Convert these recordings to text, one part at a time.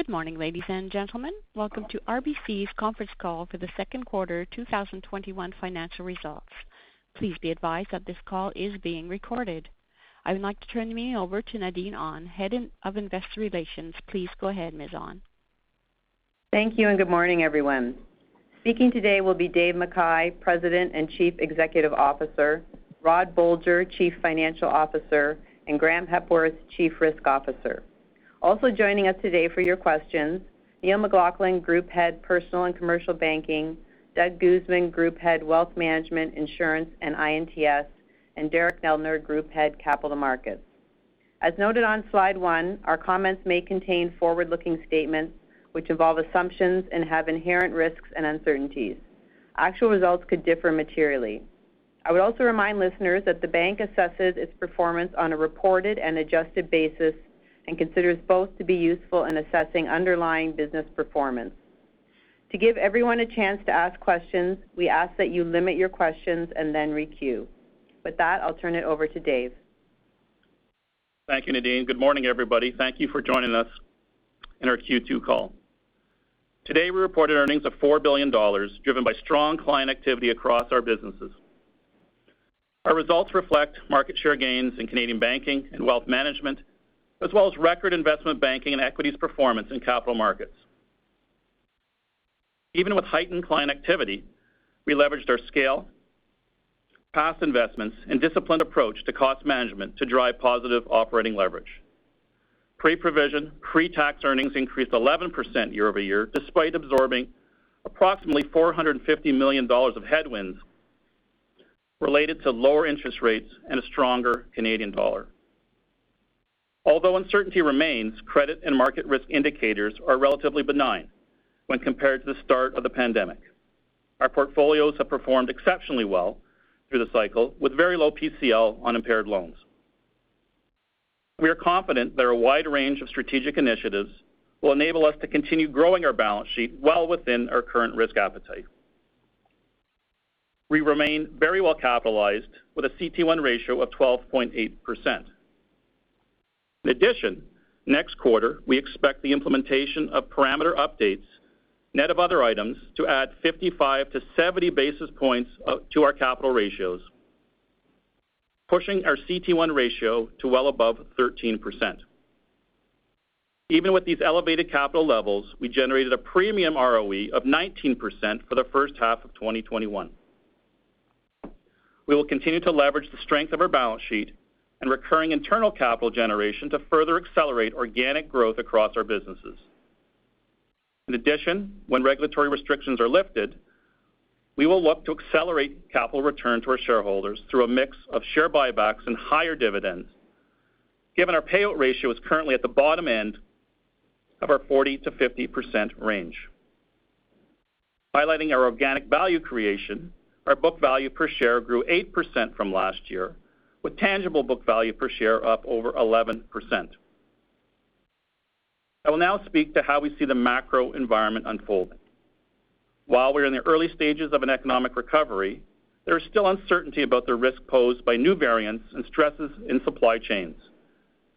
Good morning, ladies and gentlemen. Welcome to RBC's conference call for the second quarter 2021 financial results. Please be advised that this call is being recorded. I would like to turn the meeting over to Nadine Ahn, Head of Investor Relations. Please go ahead, Ms. Ahn. Thank you, and good morning, everyone. Speaking today will be Dave McKay, President and Chief Executive Officer, Rod Bolger, Chief Financial Officer, and Graeme Hepworth, Chief Risk Officer. Also joining us today for your questions, Neil McLaughlin, Group Head Personal and Commercial Banking, Doug Guzman, Group Head Wealth Management, Insurance, and I&TS, and Derek Neldner, Group Head Capital Markets. As noted on slide one, our comments may contain forward-looking statements, which involve assumptions and have inherent risks and uncertainties. Actual results could differ materially. I would also remind listeners that the bank assesses its performance on a reported and adjusted basis and considers both to be useful in assessing underlying business performance. To give everyone a chance to ask questions, we ask that you limit your questions and then re-queue. With that, I'll turn it over to Dave. Thank you, Nadine. Good morning, everybody. Thank you for joining us in our Q2 call. Today, we reported earnings of 4 billion dollars, driven by strong client activity across our businesses. Our results reflect market share gains in Canadian banking and wealth management, as well as record investment banking and equities performance in Capital Markets. Even with heightened client activity, we leveraged our scale, past investments, and disciplined approach to cost management to drive positive operating leverage. Pre-provision, pre-tax earnings increased 11% year-over-year, despite absorbing approximately 450 million dollars of headwinds related to lower interest rates and a stronger Canadian dollar. Although uncertainty remains, credit and market risk indicators are relatively benign when compared to the start of the pandemic. Our portfolios have performed exceptionally well through the cycle, with very low PCL on impaired loans. We are confident that a wide range of strategic initiatives will enable us to continue growing our balance sheet well within our current risk appetite. We remain very well capitalized with a CET1 ratio of 12.8%. In addition, next quarter, we expect the implementation of parameter updates, net of other items, to add 55-70 basis points to our capital ratios, pushing our CET1 ratio to well above 13%. Even with these elevated capital levels, we generated a premium ROE of 19% for the first half of 2021. We will continue to leverage the strength of our balance sheet and recurring internal capital generation to further accelerate organic growth across our businesses. In addition, when regulatory restrictions are lifted, we will look to accelerate capital return to our shareholders through a mix of share buybacks and higher dividends, given our payout ratio is currently at the bottom end of our 40%-50% range. Highlighting our organic value creation, our book value per share grew 8% from last year, with tangible book value per share up over 11%. I will now speak to how we see the macro environment unfolding. While we are in the early stages of an economic recovery, there is still uncertainty about the risk posed by new variants and stresses in supply chains.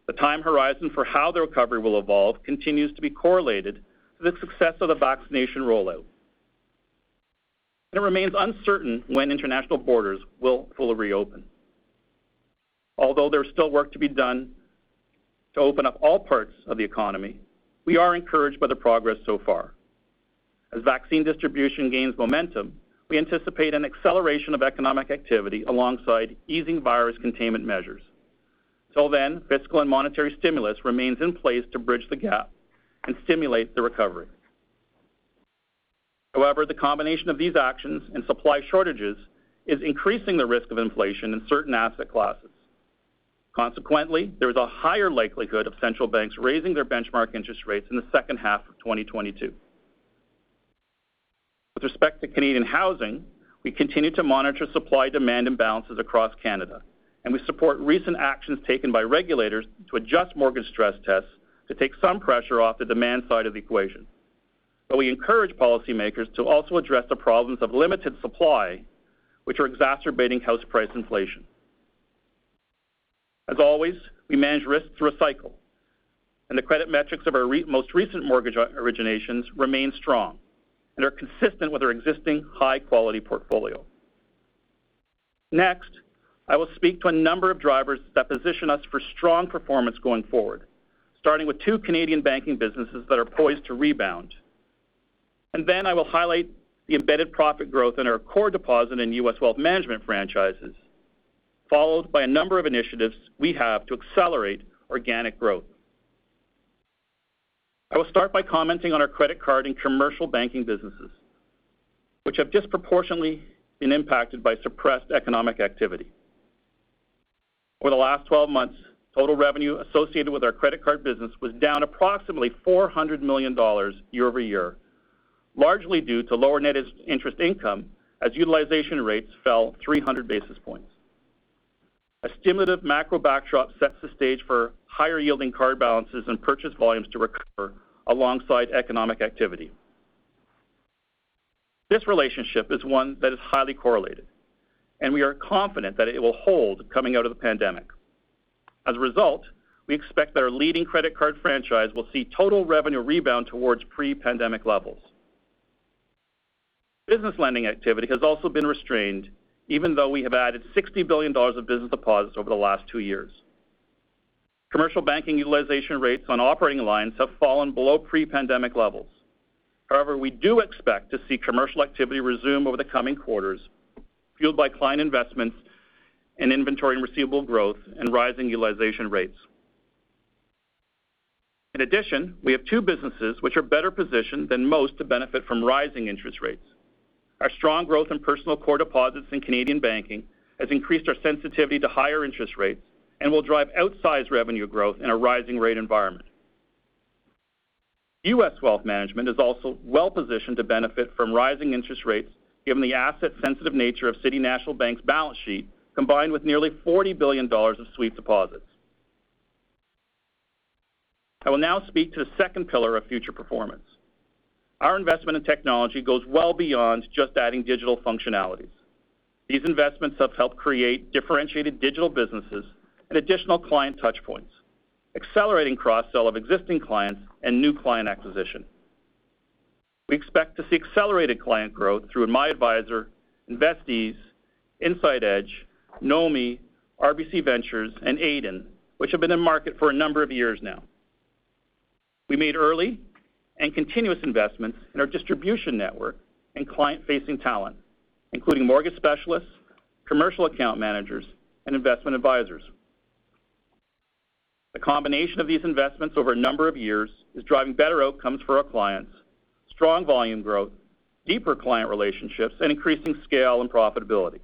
The time horizon for how the recovery will evolve continues to be correlated to the success of the vaccination rollout. It remains uncertain when international borders will fully reopen. Although there is still work to be done to open up all parts of the economy, we are encouraged by the progress so far. As vaccine distribution gains momentum, we anticipate an acceleration of economic activity alongside easing virus containment measures. Until then, fiscal and monetary stimulus remains in place to bridge the gap and stimulate the recovery. However, the combination of these actions and supply shortages is increasing the risk of inflation in certain asset classes. Consequently, there is a higher likelihood of central banks raising their benchmark interest rates in the second half of 2022. With respect to Canadian housing, we continue to monitor supply-demand imbalances across Canada, and we support recent actions taken by regulators to adjust mortgage stress tests to take some pressure off the demand side of the equation. We encourage policymakers to also address the problems of limited supply, which are exacerbating house price inflation. As always, we manage risks through a cycle, and the credit metrics of our most recent mortgage originations remain strong and are consistent with our existing high-quality portfolio. I will speak to a number of drivers that position us for strong performance going forward, starting with two Canadian Banking businesses that are poised to rebound. I will highlight the embedded profit growth in our core deposit and U.S. wealth management franchises, followed by a number of initiatives we have to accelerate organic growth. I will start by commenting on our credit card and commercial banking businesses, which have disproportionately been impacted by suppressed economic activity. Over the last 12 months, total revenue associated with our credit card business was down approximately 400 million dollars year-over-year, largely due to lower net interest income as utilization rates fell 300 basis points. A stimulative macro backdrop sets the stage for higher-yielding card balances and purchase volumes to recover alongside economic activity. This relationship is one that is highly correlated, and we are confident that it will hold coming out of the pandemic. As a result, we expect that our leading credit card franchise will see total revenue rebound towards pre-pandemic levels. Business lending activity has also been restrained, even though we have added 60 billion dollars of business deposits over the last two years. Commercial banking utilization rates on operating lines have fallen below pre-pandemic levels. However, we do expect to see commercial activity resume over the coming quarters, fueled by client investments in inventory and receivable growth and rising utilization rates. In addition, we have two businesses which are better positioned than most to benefit from rising interest rates. Our strong growth in personal core deposits in Canadian Banking has increased our sensitivity to higher interest rates and will drive outsized revenue growth in a rising rate environment. U.S. wealth management is also well-positioned to benefit from rising interest rates, given the asset-sensitive nature of City National Bank's balance sheet, combined with nearly $40 billion of sweep deposits. I will now speak to the second pillar of future performance. Our investment in technology goes well beyond just adding digital functionalities. These investments have helped create differentiated digital businesses and additional client touchpoints, accelerating cross-sell of existing clients and new client acquisition. We expect to see accelerated client growth through MyAdvisor, InvestEase, Insight Edge, NOMI, RBC Ventures, and Aiden, which have been in the market for a number of years now. We made early and continuous investments in our distribution network and client-facing talent, including mortgage specialists, commercial account managers, and investment advisors. The combination of these investments over a number of years is driving better outcomes for our clients, strong volume growth, deeper client relationships, and increasing scale and profitability.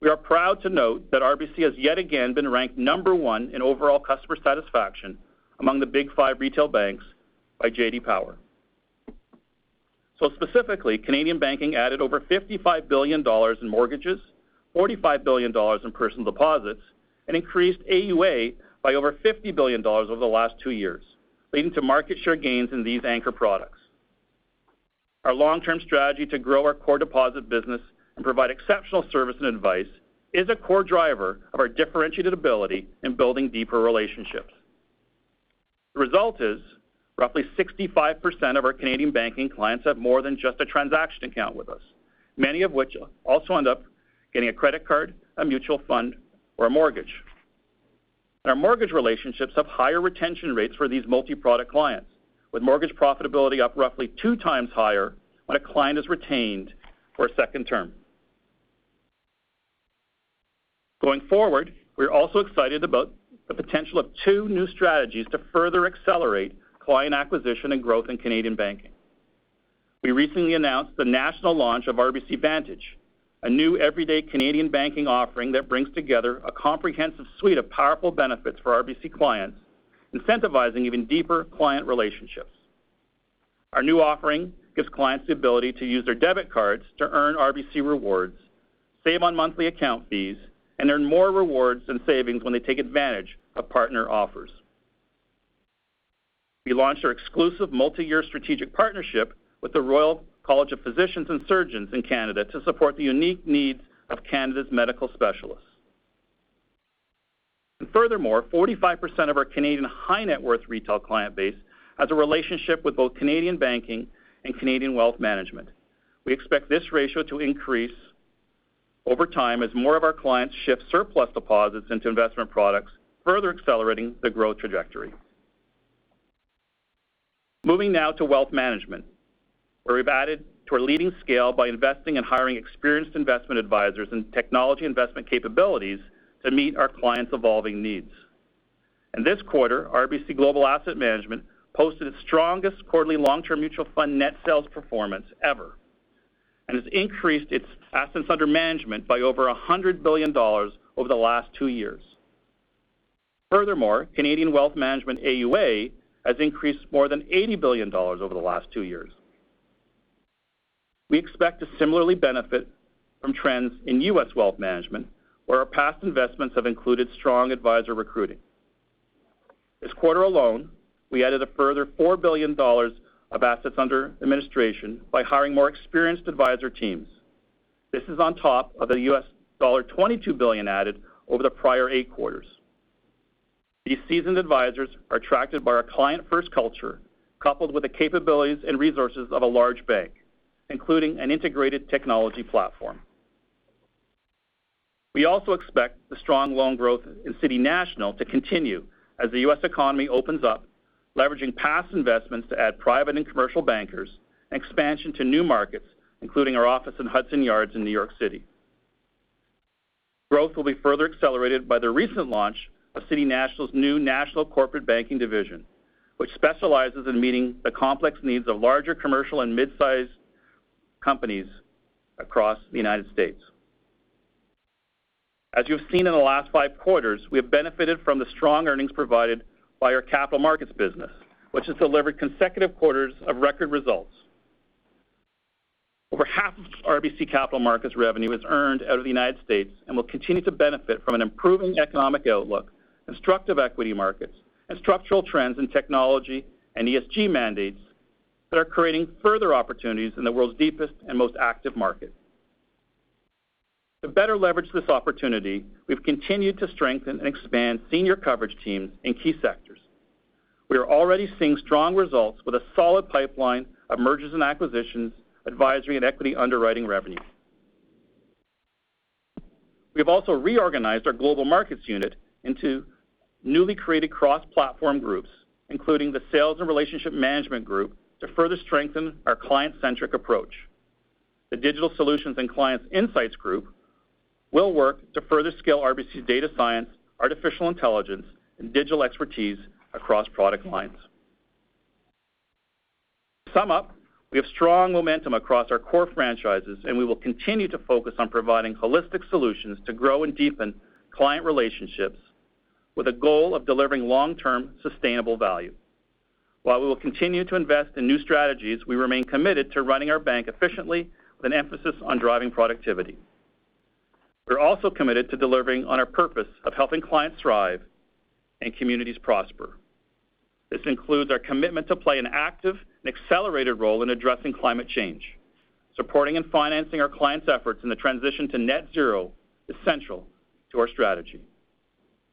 We are proud to note that RBC has yet again been ranked number one in overall customer satisfaction among the Big Five retail banks by JD Power. Specifically, Canadian banking added over 55 billion dollars in mortgages, 45 billion dollars in personal deposits, and increased AUA by over 50 billion dollars over the last two years, leading to market share gains in these anchor products. Our long-term strategy to grow our core deposit business and provide exceptional service and advice is a core driver of our differentiability in building deeper relationships. The result is roughly 65% of our Canadian banking clients have more than just a transaction account with us, many of which also end up getting a credit card, a mutual fund, or a mortgage. Our mortgage relationships have higher retention rates for these multi-product clients, with mortgage profitability up roughly two times higher when a client is retained for a second term. Going forward, we're also excited about the potential of two new strategies to further accelerate client acquisition and growth in Canadian banking. We recently announced the national launch of RBC Vantage, a new everyday Canadian banking offering that brings together a comprehensive suite of powerful benefits for RBC clients, incentivizing even deeper client relationships. Our new offering gives clients the ability to use their debit cards to earn RBC Rewards, save on monthly account fees, and earn more rewards and savings when they take advantage of partner offers. We launched our exclusive multi-year strategic partnership with the Royal College of Physicians and Surgeons of Canada to support the unique needs of Canada's medical specialists. Furthermore, 45% of our Canadian high-net-worth retail client base has a relationship with both Canadian banking and Canadian wealth management. We expect this ratio to increase over time as more of our clients shift surplus deposits into investment products, further accelerating the growth trajectory. Moving now to wealth management, where we've added to our leading scale by investing and hiring experienced investment advisors and technology investment capabilities to meet our clients' evolving needs. In this quarter, RBC Global Asset Management posted its strongest quarterly long-term mutual fund net sales performance ever and has increased its assets under management by over 100 billion dollars over the last two years. Furthermore, Canadian Wealth Management AUA has increased more than 80 billion dollars over the last two years. We expect to similarly benefit from trends in U.S. wealth management, where our past investments have included strong advisor recruiting. This quarter alone, we added a further 4 billion dollars of assets under administration by hiring more experienced advisor teams. This is on top of the $22 billion added over the prior eight quarters. These seasoned advisors are attracted by our client-first culture, coupled with the capabilities and resources of a large bank, including an integrated technology platform. We also expect the strong loan growth in City National to continue as the U.S. economy opens up, leveraging past investments to add private and commercial bankers and expansion to new markets, including our office in Hudson Yards in New York City. Growth will be further accelerated by the recent launch of City National's new national corporate banking division, which specializes in meeting the complex needs of larger commercial and mid-sized companies across the United States. As you've seen in the last five quarters, we have benefited from the strong earnings provided by our Capital Markets business, which has delivered consecutive quarters of record results. Over half of RBC Capital Markets revenue is earned out of the United States and will continue to benefit from an improving economic outlook. Constructive equity markets and structural trends in technology and ESG mandates that are creating further opportunities in the world's deepest and most active market. To better leverage this opportunity, we've continued to strengthen and expand senior coverage teams in key sectors. We are already seeing strong results with a solid pipeline of mergers and acquisitions, advisory and equity underwriting revenue. We've also reorganized our global markets unit into newly created cross-platform groups, including the sales and relationship management group, to further strengthen our client-centric approach. The digital solutions and clients insights group will work to further scale RBC's data science, artificial intelligence, and digital expertise across product lines. To sum up, we have strong momentum across our core franchises, and we will continue to focus on providing holistic solutions to grow and deepen client relationships with a goal of delivering long-term sustainable value. While we will continue to invest in new strategies, we remain committed to running our bank efficiently with an emphasis on driving productivity. We're also committed to delivering on our purpose of helping clients thrive and communities prosper. This includes our commitment to play an active and accelerated role in addressing climate change. Supporting and financing our clients' efforts in the transition to net zero is central to our strategy.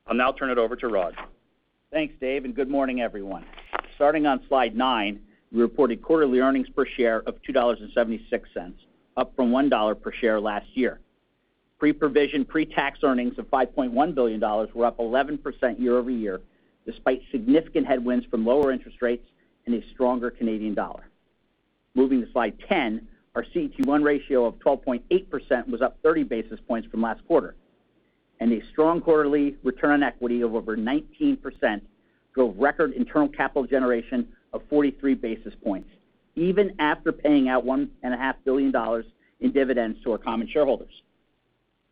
I'll now turn it over to Rod. Thanks, Dave, and good morning, everyone. Starting on slide nine, we reported quarterly earnings per share of 2.76 dollars, up from 1 dollar per share last year. Pre-provision, pre-tax earnings of 5.1 billion dollars were up 11% year-over-year, despite significant headwinds from lower interest rates and a stronger Canadian dollar. Moving to slide 10, our CET1 ratio of 12.8% was up 30 basis points from last quarter. A strong quarterly return on equity of over 19% drove record internal capital generation of 43 basis points even after paying out 1.5 billion dollars in dividends to our common shareholders.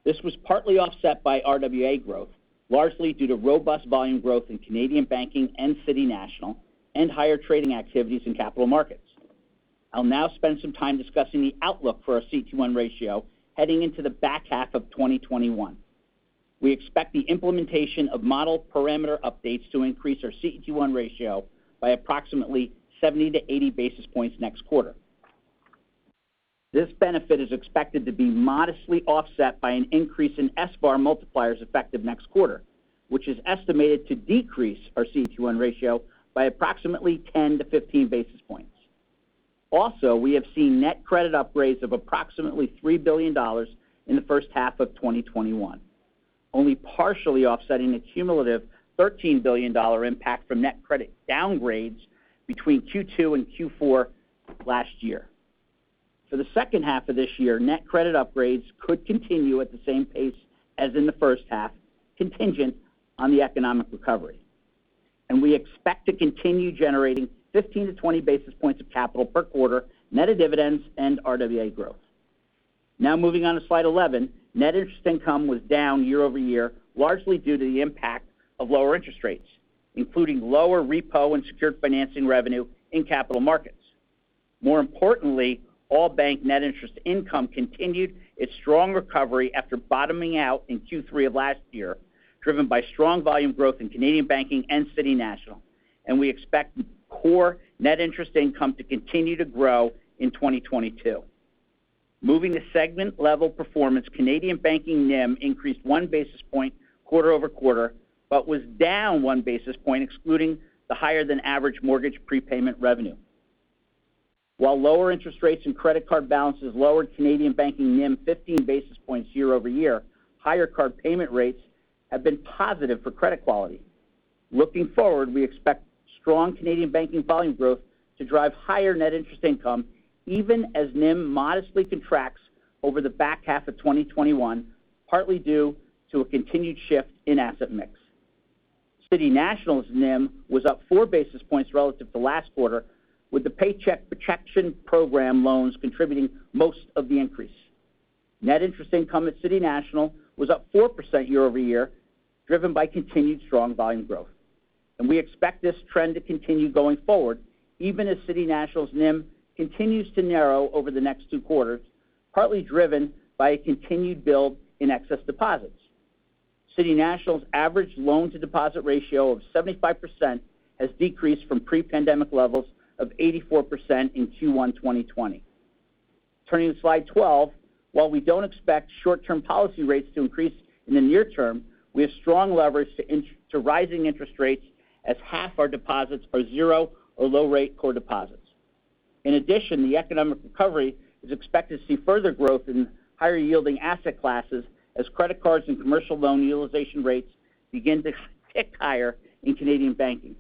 This was partly offset by RWA growth, largely due to robust volume growth in Canadian banking and City National and higher trading activities in capital markets. I'll now spend some time discussing the outlook for our CET1 ratio heading into the back half of 2021. We expect the implementation of model parameter updates to increase our CET1 ratio by approximately 70 to 80 basis points next quarter. This benefit is expected to be modestly offset by an increase in SVaR multipliers effective next quarter, which is estimated to decrease our CET1 ratio by approximately 10 to 15 basis points. Also, we have seen net credit upgrades of approximately 3 billion dollars in the first half of 2021, only partially offsetting a cumulative 13 billion dollar impact from net credit downgrades between Q2 and Q4 last year. We expect to continue generating 15-20 basis points of capital per quarter, net of dividends and RWA growth. Moving on to slide 11. Net interest income was down year-over-year, largely due to the impact of lower interest rates, including lower repo and secured financing revenue in Capital Markets. All bank net interest income continued its strong recovery after bottoming out in Q3 of last year, driven by strong volume growth in Canadian Banking and City National. We expect core net interest income to continue to grow in 2022. Moving to segment-level performance, Canadian Banking NIM increased one basis point quarter-over-quarter, but was down one basis point excluding the higher-than-average mortgage prepayment revenue. While lower interest rates and credit card balances lowered Canadian Banking NIM 15 basis points year-over-year, higher card payment rates have been positive for credit quality. Looking forward, we expect strong Canadian Banking volume growth to drive higher net interest income even as NIM modestly contracts over the back half of 2021, partly due to a continued shift in asset mix. City National's NIM was up four basis points relative to last quarter, with the Paycheck Protection Program loans contributing most of the increase. Net interest income at City National was up 4% year-over-year, driven by continued strong volume growth. We expect this trend to continue going forward, even as City National's NIM continues to narrow over the next two quarters, partly driven by a continued build in excess deposits. City National's average loan-to-deposit ratio of 75% has decreased from pre-pandemic levels of 84% in Q1 2020. Turning to slide 12. While we don't expect short-term policy rates to increase in the near term, we have strong leverage to rising interest rates as half our deposits are zero- or low-rate core deposits. In addition, the economic recovery is expected to see further growth in higher-yielding asset classes as credit cards and commercial loan utilization rates begin to tick higher in Canadian Banking.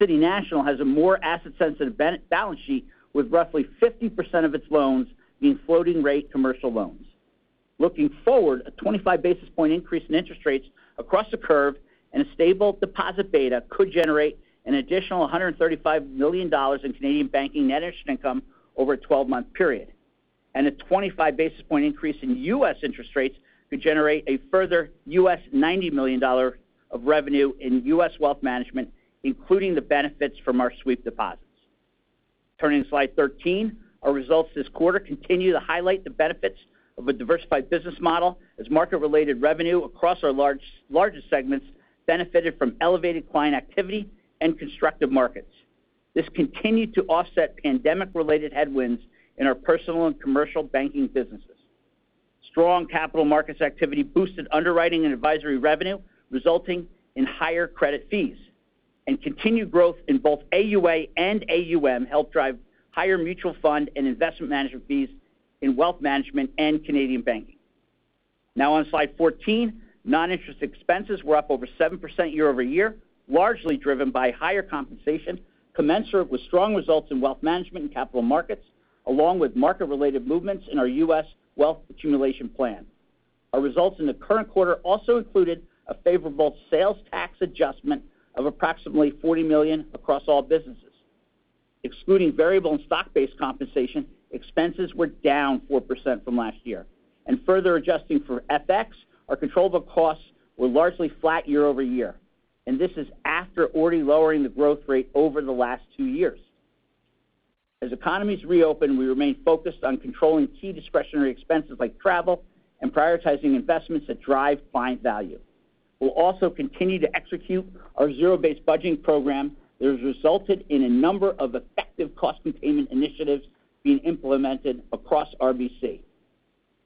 City National has a more asset-sensitive balance sheet with roughly 50% of its loans being floating-rate commercial loans. Looking forward, a 25-basis-point increase in interest rates across the curve and stable deposit beta could generate an additional 135 million dollars in Canadian Banking net interest income over a 12-month period, and a 25-basis-point increase in U.S. interest rates could generate a further $90 million of revenue in U.S. wealth management, including the benefits from our sweep deposits. Turning to slide 13, our results this quarter continue to highlight the benefits of a diversified business model as market-related revenue across our largest segments benefited from elevated client activity and constructive markets. This continued to offset pandemic-related headwinds in our personal and commercial banking businesses. Strong capital markets activity boosted underwriting and advisory revenue, resulting in higher credit fees. Continued growth in both AUA and AUM helped drive higher mutual fund and investment management fees in wealth management and Canadian banking. On slide 14, non-interest expenses were up over 7% year-over-year, largely driven by higher compensation, commensurate with strong results in wealth management and capital markets, along with market-related movements in our U.S. wealth accumulation plan. Our results in the current quarter also included a favorable sales tax adjustment of approximately 40 million across all businesses. Excluding variable and stock-based compensation, expenses were down 4% from last year. Further adjusting for FX, our controllable costs were largely flat year-over-year, and this is after already lowering the growth rate over the last two years. As economies reopen, we remain focused on controlling key discretionary expenses like travel and prioritizing investments that drive client value. We'll also continue to execute our zero-based budgeting program that has resulted in a number of effective cost containment initiatives being implemented across RBC.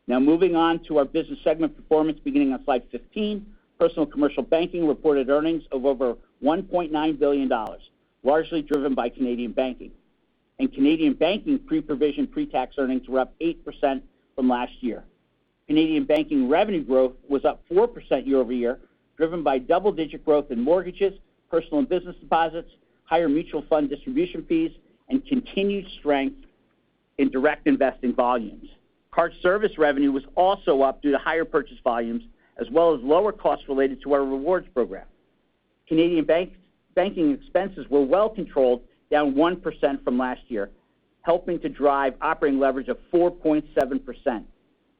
Now moving on to our business segment performance beginning on slide 15, Personal and Commercial Banking reported earnings of over 1.9 billion dollars, largely driven by Canadian banking. In Canadian banking, pre-provision, pre-tax earnings were up 8% from last year. Canadian banking revenue growth was up 4% year-over-year, driven by double-digit growth in mortgages, personal and business deposits, higher mutual fund distribution fees, and continued strength in direct investing volumes. Card service revenue was also up due to higher purchase volumes, as well as lower costs related to our Rewards program. Canadian Banking expenses were well controlled, down 1% from last year, helping to drive operating leverage of 4.7%.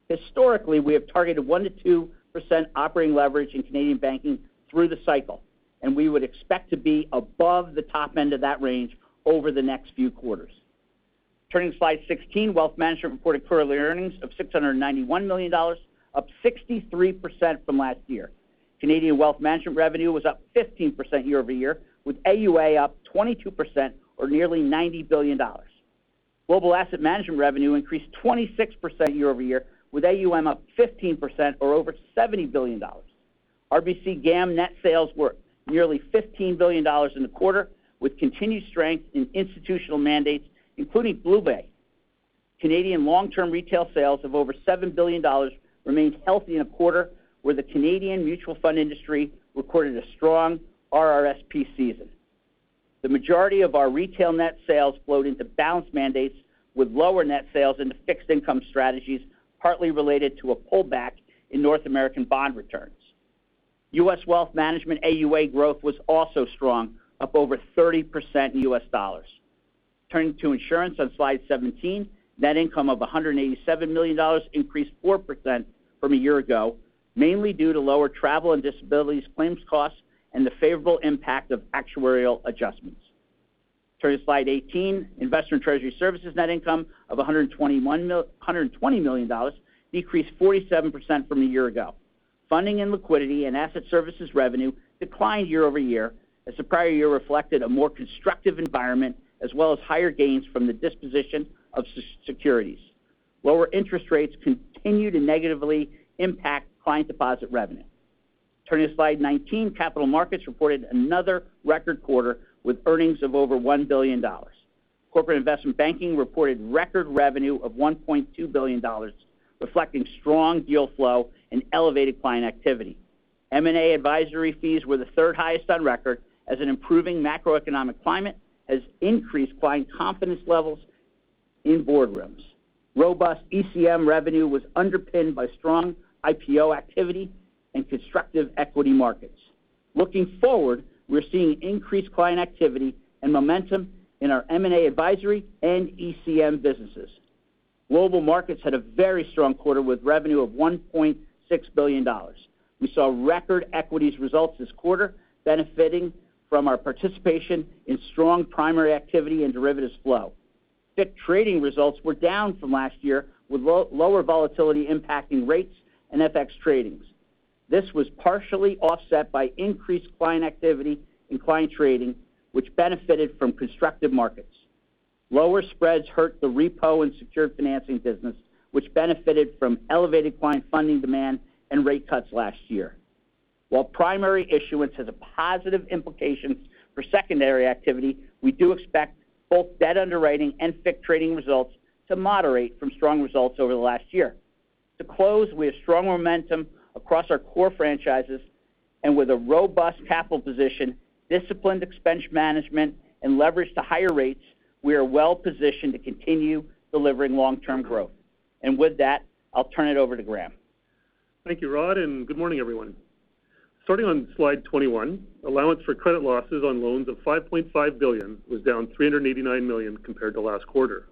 Historically, we have targeted 1%-2% operating leverage in Canadian Banking through the cycle, and we would expect to be above the top end of that range over the next few quarters. Turning to slide 16, wealth management reported quarterly earnings of 691 million dollars, up 63% from last year. Canadian wealth management revenue was up 15% year-over-year, with AUA up 22%, or nearly 90 billion dollars. Global Asset Management revenue increased 26% year-over-year, with AUM up 15%, or over 70 billion dollars. RBC GAM net sales were nearly 15 billion dollars in the quarter, with continued strength in institutional mandates, including BlueBay. Canadian long-term retail sales of over 7 billion dollars remained healthy in a quarter where the Canadian mutual fund industry recorded a strong RRSP season. The majority of our retail net sales flowed into balanced mandates with lower net sales into fixed income strategies, partly related to a pullback in North American bond returns. U.S. wealth management AUA growth was also strong, up over 30% in U.S. dollars. Turning to insurance on slide 17, net income of 187 million dollars increased 4% from a year-ago, mainly due to lower travel and disabilities claims costs and the favorable impact of actuarial adjustments. Turning to slide 18, Investor & Treasury Services net income of 120 million dollars decreased 47% from a year-ago. Funding and liquidity and asset services revenue declined year-over-year as the prior year reflected a more constructive environment as well as higher gains from the disposition of securities. Lower interest rates continue to negatively impact client deposit revenue. Turning to slide 19, Capital Markets reported another record quarter with earnings of over 1 billion dollars. Corporate investment banking reported record revenue of 1.2 billion dollars, reflecting strong deal flow and elevated client activity. M&A advisory fees were the third highest on record as an improving macroeconomic climate has increased client confidence levels in boardrooms. Robust ECM revenue was underpinned by strong IPO activity and constructive equity markets. Looking forward, we're seeing increased client activity and momentum in our M&A advisory and ECM businesses. Global Markets had a very strong quarter with revenue of 1.6 billion dollars. We saw record equities results this quarter, benefiting from our participation in strong primary activity and derivatives flow. FICC trading results were down from last year, with lower volatility impacting rates and FX tradings. This was partially offset by increased client activity in client trading, which benefited from constructive markets. Lower spreads hurt the repo and secured financing business, which benefited from elevated client funding demand and rate cuts last year. While primary issuance has a positive implication for secondary activity, we do expect both debt underwriting and FICC trading results to moderate from strong results over the last year. To close, we have strong momentum across our core franchises and with a robust capital position, disciplined expense management, and leverage to higher rates, we are well-positioned to continue delivering long-term growth. With that, I'll turn it over to Graeme. Thank you, Rod. Good morning, everyone. Starting on slide 21, allowance for credit losses on loans of 5.5 billion was down 389 million compared to last quarter.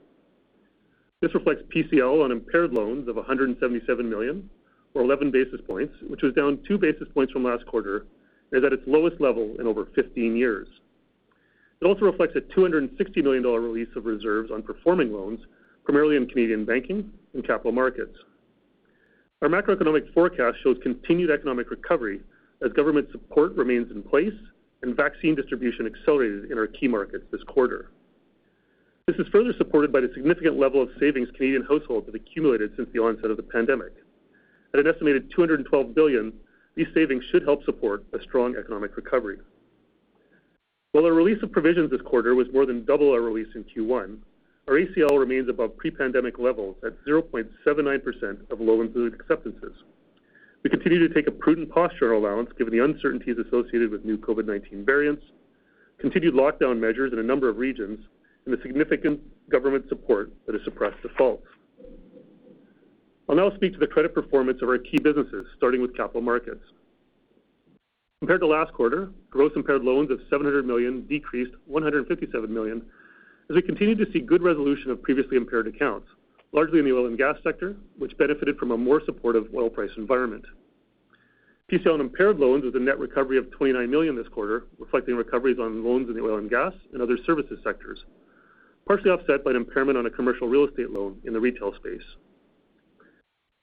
This reflects PCL on impaired loans of 177 million or 11 basis points, which was down two basis points from last quarter and is at its lowest level in over 15 years. It also reflects a 260 million dollar release of reserves on performing loans, primarily in Canadian Banking and Capital Markets. Our macroeconomic forecast shows continued economic recovery as government support remains in place and vaccine distribution accelerated in our key markets this quarter. This is further supported by the significant level of savings Canadian households have accumulated since the onset of the pandemic. At an estimated 212 billion, these savings should help support a strong economic recovery. While our release of provisions this quarter was more than double our release in Q1, our ACL remains above pre-pandemic levels at 0.79% of loans and acceptances. We continue to take a prudent posture on allowance given the uncertainties associated with new COVID-19 variants, continued lockdown measures in a number of regions, and the significant government support that has suppressed defaults. I'll now speak to the credit performance of our key businesses, starting with Capital Markets. Compared to last quarter, gross impaired loans of 700 million decreased 157 million as we continue to see good resolution of previously impaired accounts, largely in the oil and gas sector, which benefited from a more supportive oil price environment. PCL on impaired loans was a net recovery of CAD 29 million this quarter, reflecting recoveries on loans in the oil and gas and other services sectors, partially offset by an impairment on a commercial real estate loan in the retail space.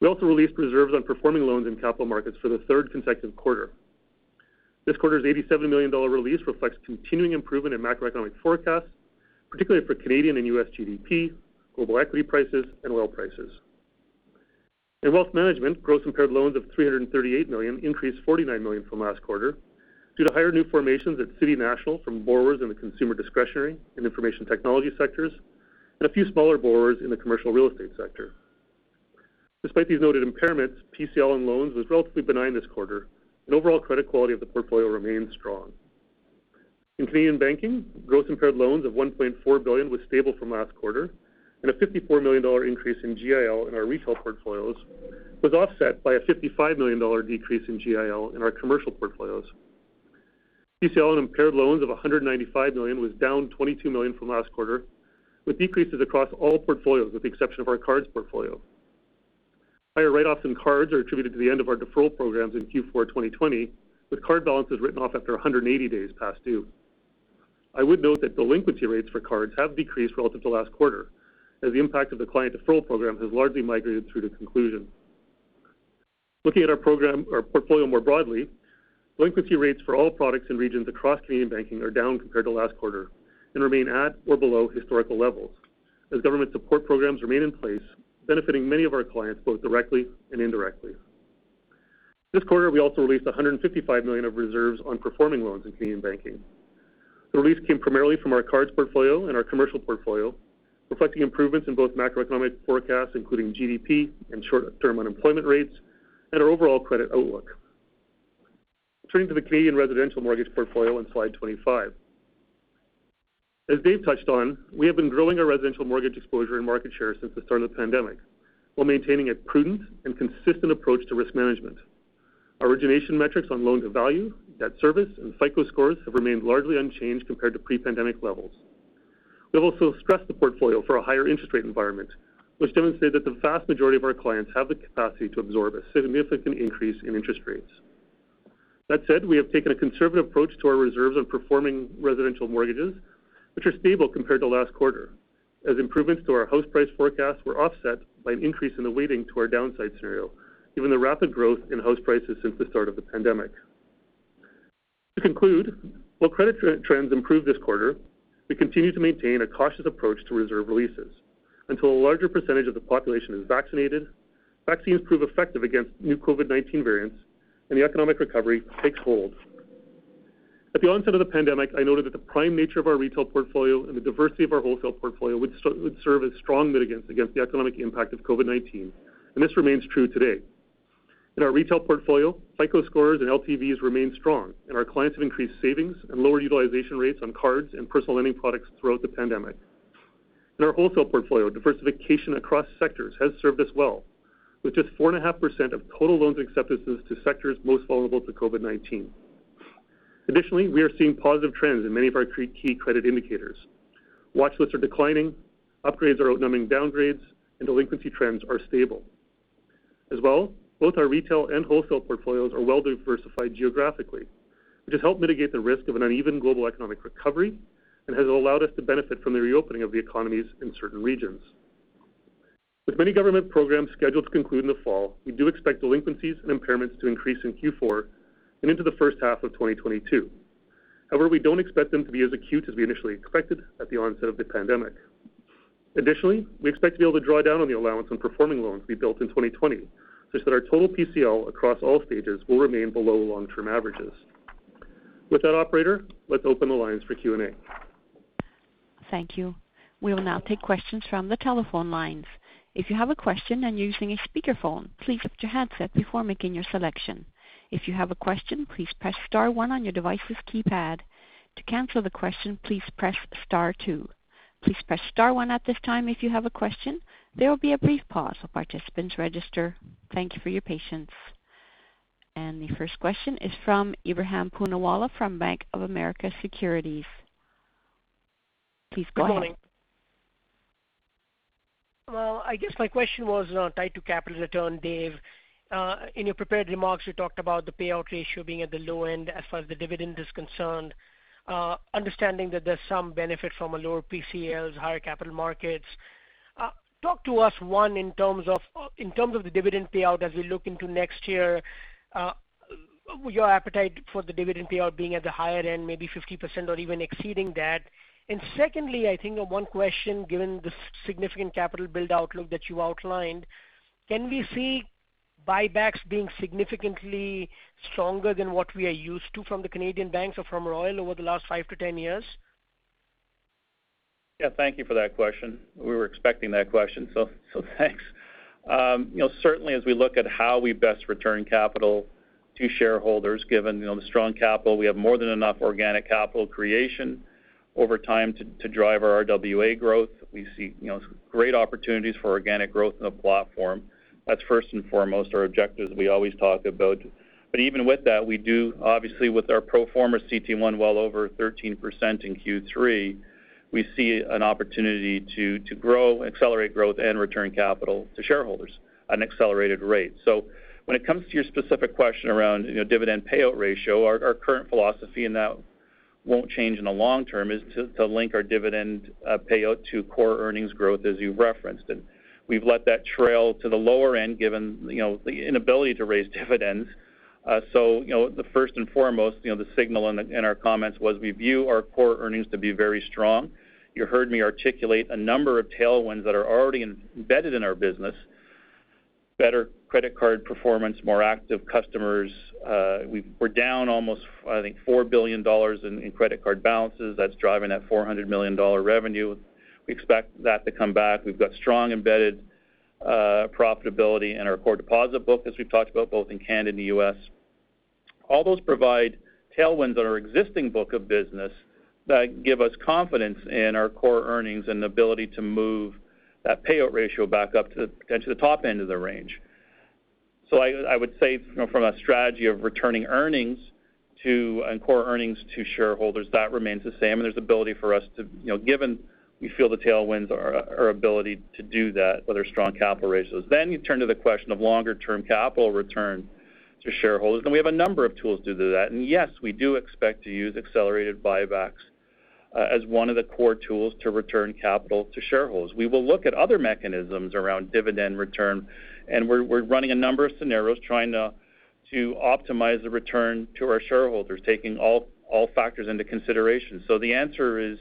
We also released reserves on performing loans in capital markets for the third consecutive quarter. This quarter's 87 million dollar release reflects continuing improvement in macroeconomic forecasts, particularly for Canadian and U.S. GDP, global equity prices, and oil prices. In wealth management, gross impaired loans of CAD 338 million increased CAD 49 million from last quarter due to higher new formations at City National from borrowers in the consumer discretionary and information technology sectors, and a few smaller borrowers in the commercial real estate sector. Despite these noted impairments, PCL on loans was relatively benign this quarter, and overall credit quality of the portfolio remains strong. In Canadian banking, gross impaired loans of 1.4 billion was stable from last quarter, and a 54 million dollar increase in GIL in our retail portfolios was offset by a 55 million dollar decrease in GIL in our commercial portfolios. PCL on impaired loans of 195 million was down 22 million from last quarter, with decreases across all portfolios with the exception of our cards portfolio. Higher write-offs in cards are attributed to the end of our deferral programs in Q4 2020, with card balances written off after 180 days past due. I would note that delinquency rates for cards have decreased relative to last quarter, as the impact of the client deferral program has largely migrated through to conclusion. Looking at our portfolio more broadly, delinquency rates for all products and regions across Canadian banking are down compared to last quarter and remain at or below historical levels as government support programs remain in place, benefiting many of our clients both directly and indirectly. This quarter, we also released 155 million of reserves on performing loans in Canadian banking. The release came primarily from our cards portfolio and our commercial portfolio, reflecting improvements in both macroeconomic forecasts, including GDP and short-term unemployment rates, and our overall credit outlook. Turning to the Canadian residential mortgage portfolio on slide 25. As Dave touched on, we have been growing our residential mortgage exposure and market share since the start of the pandemic while maintaining a prudent and consistent approach to risk management. Our origination metrics on loan-to-value, debt service, and FICO scores have remained largely unchanged compared to pre-pandemic levels. We have also stressed the portfolio for a higher interest rate environment, which demonstrate that the vast majority of our clients have the capacity to absorb a significant increase in interest rates. That said, we have taken a conservative approach to our reserves on performing residential mortgages, which are stable compared to last quarter, as improvements to our house price forecasts were offset by an increase in the weighting to our downside scenario, given the rapid growth in house prices since the start of the pandemic. To conclude, while credit trends improved this quarter, we continue to maintain a cautious approach to reserve releases until a larger percentage of the population is vaccinated, vaccines prove effective against new COVID-19 variants, and the economic recovery takes hold. At the onset of the pandemic, I noted that the prime nature of our retail portfolio and the diversity of our wholesale portfolio would serve as strong mitigants against the economic impact of COVID-19, and this remains true today. In our retail portfolio, FICO scores and LTVs remain strong, and our clients have increased savings and lower utilization rates on cards and personal lending products throughout the pandemic. In our wholesale portfolio, diversification across sectors has served us well, with just 4.5% of total loans acceptances to sectors most vulnerable to COVID-19. Additionally, we are seeing positive trends in many of our key credit indicators. Watch lists are declining, upgrades are outnumbering downgrades, and delinquency trends are stable. As well, both our retail and wholesale portfolios are well-diversified geographically, which has helped mitigate the risk of an uneven global economic recovery and has allowed us to benefit from the reopening of the economies in certain regions. With many government programs scheduled to conclude in the fall, we do expect delinquencies and impairments to increase in Q4 and into the first half of 2022. However, we don't expect them to be as acute as we initially expected at the onset of the pandemic. Additionally, we expect to be able to draw down on the allowance on performing loans we built in 2020, such that our total PCL across all stages will remain below long-term averages. With that, operator, let's open the lines for Q&A. Thank you we will now take questions from the telephone line. If you have a question and using a speaker phone, please pick your headset before making your selection. If you have a question please press star one on your keypad. To cancel the question press star two. Please press star one at this time if you have a question. There will be a brief pause for participants register. The first question is from Ebrahim Poonawala from Bank of America Securities. Please go ahead. Got it. I guess my question was tied to capital return, Dave. In your prepared remarks, you talked about the payout ratio being at the low end as far as the dividend is concerned. Understanding that there's some benefit from a lower PCLs, higher capital markets. Talk to us, one, in terms of the dividend payout as we look into next year, your appetite for the dividend payout being at the higher end, maybe 50% or even exceeding that. Secondly, I think one question, given the significant capital build outlook that you outlined, can we see buybacks being significantly stronger than what we are used to from the Canadian banks or from Royal over the last five to 10 years? Yeah, thank you for that question. We were expecting that question, so thanks. As we look at how we best return capital to shareholders, given the strong capital, we have more than enough organic capital creation over time to drive our RWA growth. We see great opportunities for organic growth in the platform. That's first and foremost our objective that we always talk about. Even with that, we do, obviously, with our pro forma CET1 well over 13% in Q3, we see an opportunity to grow, accelerate growth, and return capital to shareholders at an accelerated rate. When it comes to your specific question around dividend payout ratio, our current philosophy, and that won't change in the long term, is to link our dividend payout to core earnings growth as you referenced. We've let that trail to the lower end, given the inability to raise dividends. The first and foremost, the signal in our comments was we view our core earnings to be very strong. You heard me articulate a number of tailwinds that are already embedded in our business. Better credit card performance, more active customers. We're down almost, I think, 4 billion dollars in credit card balances. That's driving that 400 million dollar revenue. We expect that to come back. We've got strong embedded profitability in our core deposit book, as we talked about, both in Canada and the U.S. All those provide tailwinds on our existing book of business that give us confidence in our core earnings and ability to move that payout ratio back up to the top end of the range. I would say from a strategy of returning earnings and core earnings to shareholders, that remains the same. There's ability for us to, given we feel the tailwinds, our ability to do that with our strong capital ratios. You turn to the question of longer-term capital return to shareholders. We have a number of tools to do that. Yes, we do expect to use accelerated buybacks as one of the core tools to return capital to shareholders. We will look at other mechanisms around dividend return. We're running a number of scenarios trying to optimize the return to our shareholders, taking all factors into consideration. The answer is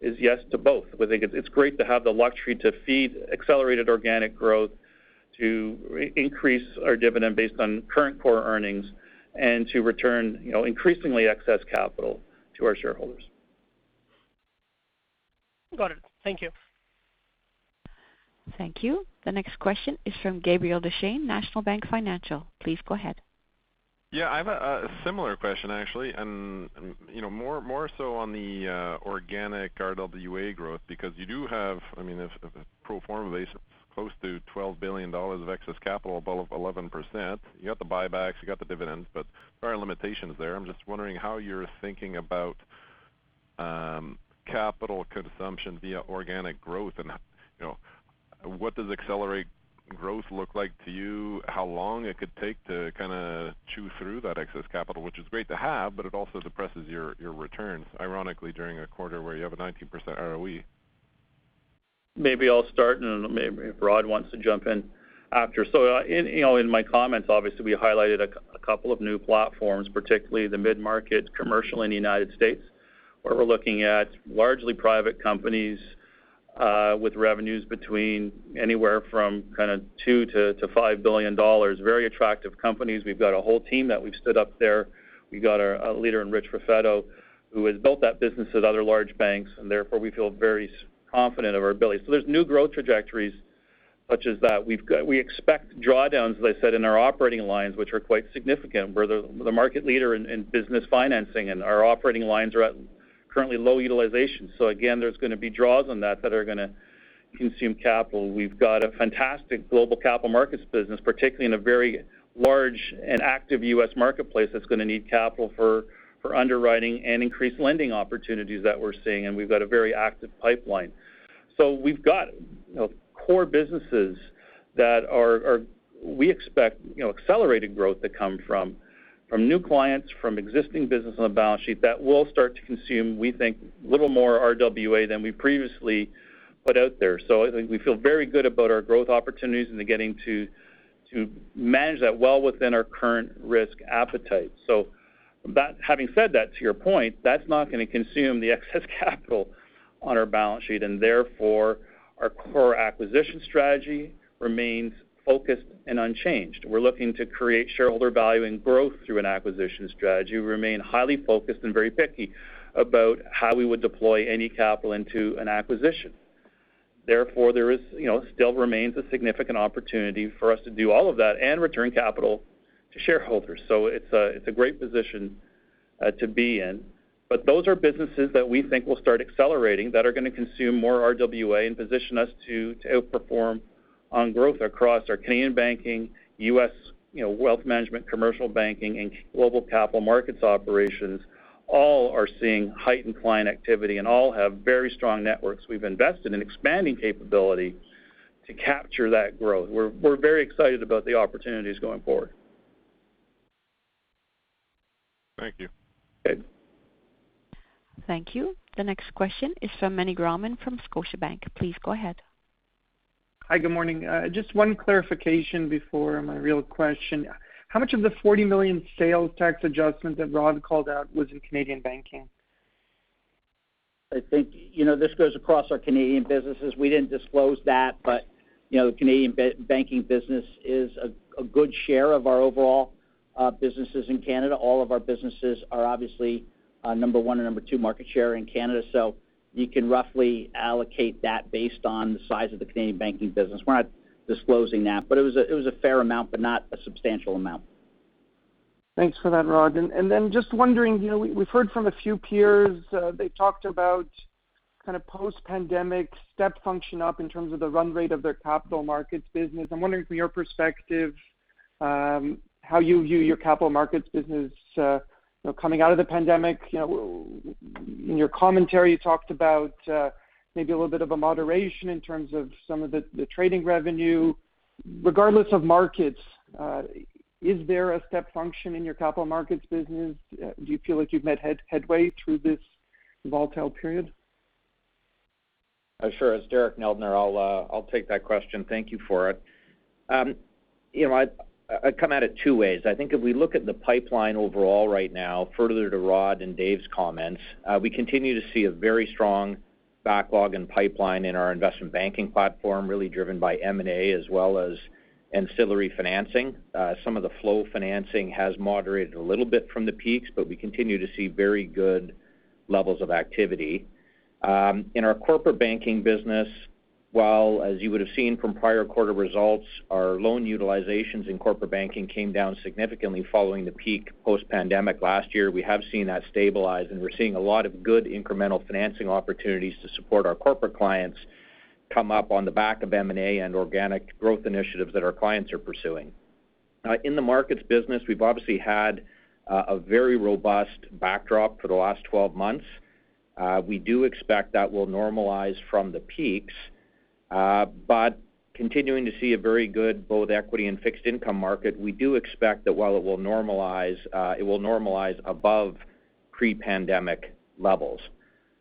yes to both. It's great to have the luxury to feed accelerated organic growth, to increase our dividend based on current core earnings, and to return increasingly excess capital to our shareholders. Got it. Thank you. Thank you. The next question is from Gabriel Dechaine, National Bank Financial. Please go ahead. Yeah, I have a similar question, actually, and more so on the organic RWA growth because you do have, pro forma, close to 12 billion dollars of excess capital above 11%. You got the buybacks, you got the dividends, but there are limitations there. I'm just wondering how you're thinking about capital consumption via organic growth, and what does accelerated growth look like to you? How long it could take to kind of chew through that excess capital? Which is great to have, but it also suppresses your returns, ironically, during a quarter where you have a 19% ROE. Maybe I'll start, and maybe Rod wants to jump in after. In my comments, obviously, we highlighted a couple of new platforms, particularly the mid-market commercial in the U.S., where we're looking at largely private companies with revenues between anywhere from 2 billion-5 billion dollars. Very attractive companies. We've got a whole team that we've stood up there. We got our leader in Richard Raffetto, who has built that business at other large banks, and therefore we feel very confident in our ability. There's new growth trajectories such as that. We expect drawdowns, as I said, in our operating lines, which are quite significant. We're the market leader in business financing, and our operating lines are at currently low utilization. Again, there's going to be draws on that that are going to consume capital. We've got a fantastic global Capital Markets business, particularly in a very large and active U.S. marketplace that's going to need capital for underwriting and increased lending opportunities that we're seeing, and we've got a very active pipeline. We've got core businesses that we expect accelerated growth to come from new clients, from existing business on the balance sheet that will start to consume, we think, a little more RWA than we previously put out there. I think we feel very good about our growth opportunities and getting to manage that well within our current risk appetite. Having said that, to your point, that's not going to consume the excess capital on our balance sheet, and therefore our core acquisition strategy remains focused and unchanged. We're looking to create shareholder value and growth through an acquisition strategy. We remain highly focused and very picky about how we would deploy any capital into an acquisition. There still remains a significant opportunity for us to do all of that and return capital to shareholders. It's a great position. To be in. Those are businesses that we think will start accelerating, that are going to consume more RWA and position us to outperform on growth across our Canadian Banking, U.S. wealth management, commercial banking, and global Capital Markets operations. All are seeing heightened client activity and all have very strong networks. We've invested in expanding capability to capture that growth. We're very excited about the opportunities going forward. Thank you. Good. Thank you. The next question is from Meny Grauman from Scotiabank. Please go ahead. Hi, good morning. Just one clarification before my real question. How much of the 40 million sales tax adjustment that Rod called out was in Canadian Banking? I think this goes across our Canadian businesses. We didn't disclose that, but the Canadian Banking business is a good share of our overall businesses in Canada. All of our businesses are obviously number one and number two market share in Canada, so you can roughly allocate that based on the size of the Canadian Banking business. We're not disclosing that, but it was a fair amount, but not a substantial amount. Thanks for that, Rod. Then just wondering, we've heard from a few peers, they talked about post-pandemic step function up in terms of the run rate of their capital markets business. I'm wondering from your perspective, how you view your capital markets business coming out of the pandemic. In your commentary, you talked about maybe a little bit of a moderation in terms of some of the trading revenue. Regardless of markets, is there a step function in your capital markets business? Do you feel like you've made headway through this volatile period? Sure. It's Derek Neldner. I'll take that question. Thank you for it. I'd come at it two ways. I think if we look at the pipeline overall right now, further to Rod and Dave's comments, we continue to see a very strong backlog in pipeline in our investment banking platform, really driven by M&A as well as ancillary financing. Some of the flow financing has moderated a little bit from the peaks, but we continue to see very good levels of activity. In our corporate banking business, while as you would've seen from prior quarter results, our loan utilizations in corporate banking came down significantly following the peak post-pandemic last year. We have seen that stabilize, and we're seeing a lot of good incremental financing opportunities to support our corporate clients come up on the back of M&A and organic growth initiatives that our clients are pursuing. In the markets business, we've obviously had a very robust backdrop for the last 12 months. We do expect that we'll normalize from the peaks, but continuing to see a very good both equity and fixed income market. We do expect that while it will normalize above pre-pandemic levels.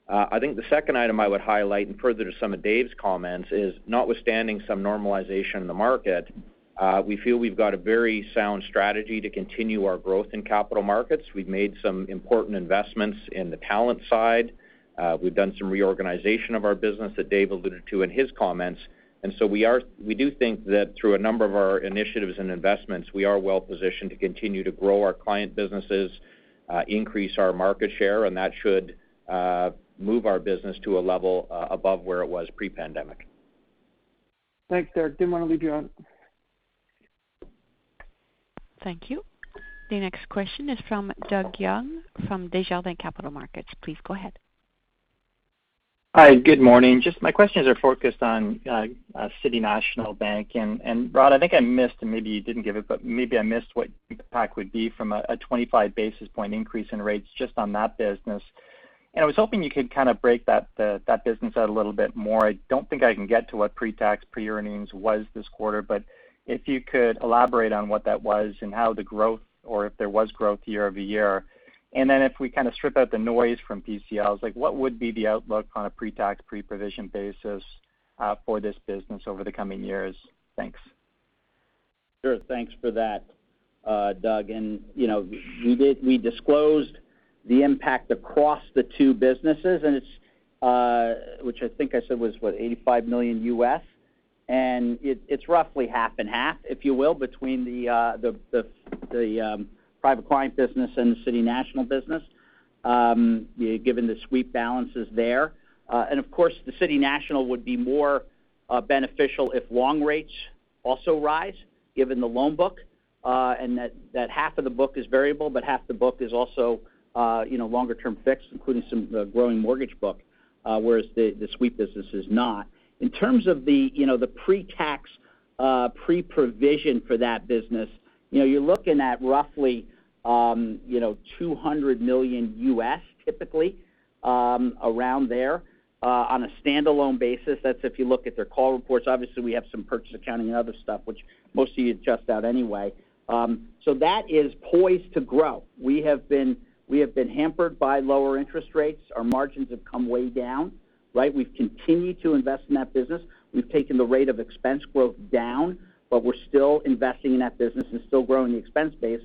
I think the second item I would highlight, and further to some of Dave's comments, is notwithstanding some normalization in the market, we feel we've got a very sound strategy to continue our growth in capital markets. We've made some important investments in the talent side. We've done some reorganization of our business that Dave alluded to in his comments, and so we do think that through a number of our initiatives and investments, we are well-positioned to continue to grow our client businesses, increase our market share, and that should move our business to a level above where it was pre-pandemic. Thanks, Derek. I'm going to leave you on. Thank you. The next question is from Doug Young from Desjardins Capital Markets. Please go ahead. Hi, good morning. Just my questions are focused on City National Bank. Rod, I think I missed, or maybe you didn't give it, but maybe I missed what the impact would be from a 25 basis point increase in rates just on that business. I was hoping you could break that business out a little bit more. I don't think I can get to what pre-tax, pre-earnings was this quarter, but if you could elaborate on what that was and how the growth, or if there was growth year-over-year. If we strip out the noise from PCLs, what would be the outlook on a pre-tax, pre-provision basis for this business over the coming years? Thanks. Sure. Thanks for that, Doug. We disclosed the impact across the two businesses, $85 million? It's roughly half and half, if you will, between the private client business and the City National business, given the sweep balances there. Of course, the City National would be more beneficial if long rates also rise, given the loan book, and that half of the book is variable, but half the book is also longer-term fixed, including some growing mortgage book, whereas the sweep business is not. In terms of the pre-tax, pre-provision for that business, you're looking at roughly $200 million typically, around there, on a standalone basis. That's if you look at their call reports. Obviously, we have some purchase accounting and other stuff, which mostly you adjust out anyway. That is poised to grow. We have been hampered by lower interest rates. Our margins have come way down. We've continued to invest in that business. We've taken the rate of expense growth down, we're still investing in that business and still growing the expense base.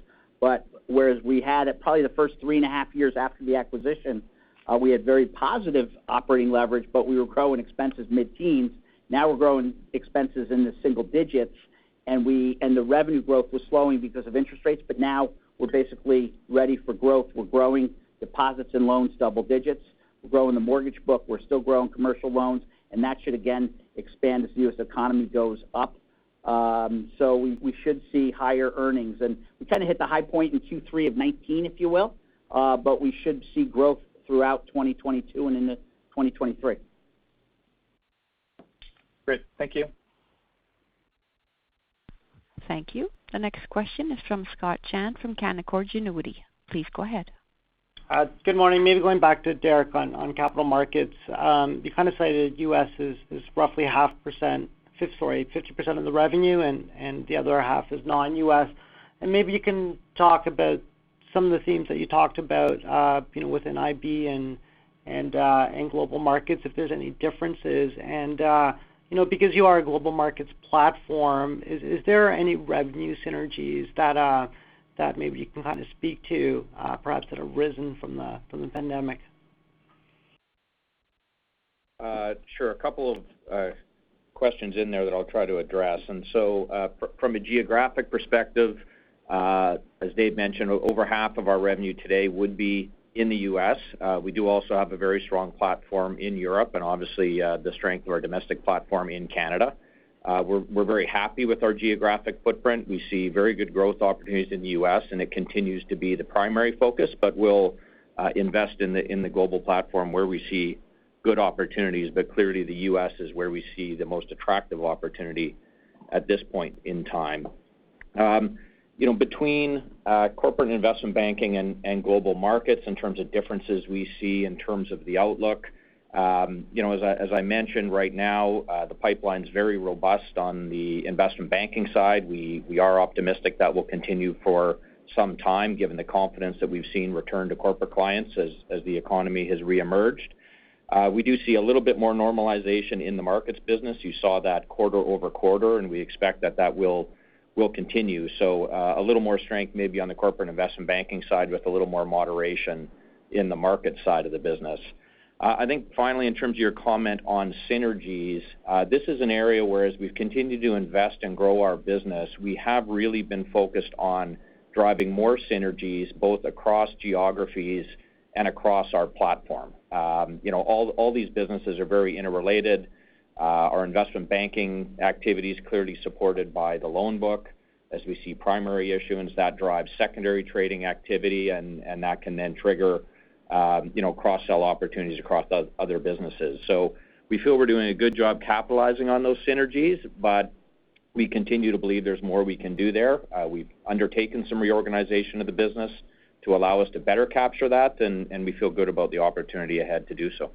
Whereas we had probably the first 3.5 years after the acquisition, we had very positive operating leverage, we were growing expenses mid-teens. We're growing expenses in the single digits, the revenue growth was slowing because of interest rates, now we're basically ready for growth. We're growing deposits and loans double digits. We're growing the mortgage book. We're still growing commercial loans, that should, again, expand as the U.S. economy goes up. We should see higher earnings. We tend to hit the high point in Q3 of 2019, if you will, but we should see growth throughout 2022 and into 2023. Great. Thank you. Thank you. The next question is from Scott Chan from Canaccord Genuity. Please go ahead. Good morning. Maybe going back to Derek on capital markets. You kind of cited U.S. is roughly 50% of the revenue, and the other half is non-U.S. Maybe you can talk about some of the themes that you talked about within IB and global markets, if there's any differences. Because you are a global markets platform, is there any revenue synergies that maybe you can speak to, perhaps that have risen from the pandemic? Sure. A couple of questions in there that I'll try to address. From a geographic perspective, as Dave mentioned, over half of our revenue today would be in the U.S. We do also have a very strong platform in Europe and obviously the strength of our domestic platform in Canada. We're very happy with our geographic footprint. We see very good growth opportunities in the U.S., and it continues to be the primary focus, but we'll invest in the global platform where we see good opportunities. Clearly the U.S. is where we see the most attractive opportunity at this point in time. Between corporate investment banking and global markets in terms of differences we see in terms of the outlook, as I mentioned, right now, the pipeline's very robust on the investment banking side. We are optimistic that will continue for some time given the confidence that we've seen return to corporate clients as the economy has reemerged. We do see a little bit more normalization in the markets business. You saw that quarter-over-quarter. We expect that that will continue. A little more strength maybe on the corporate investment banking side with a little more moderation in the market side of the business. I think finally, in terms of your comment on synergies, this is an area where as we've continued to invest and grow our business, we have really been focused on driving more synergies both across geographies and across our platform. All these businesses are very interrelated. Our investment banking activity is clearly supported by the loan book as we see primary issuance that drives secondary trading activity and that can then trigger cross-sell opportunities across other businesses. We feel we're doing a good job capitalizing on those synergies, but we continue to believe there's more we can do there. We've undertaken some reorganization of the business to allow us to better capture that, and we feel good about the opportunity ahead to do so.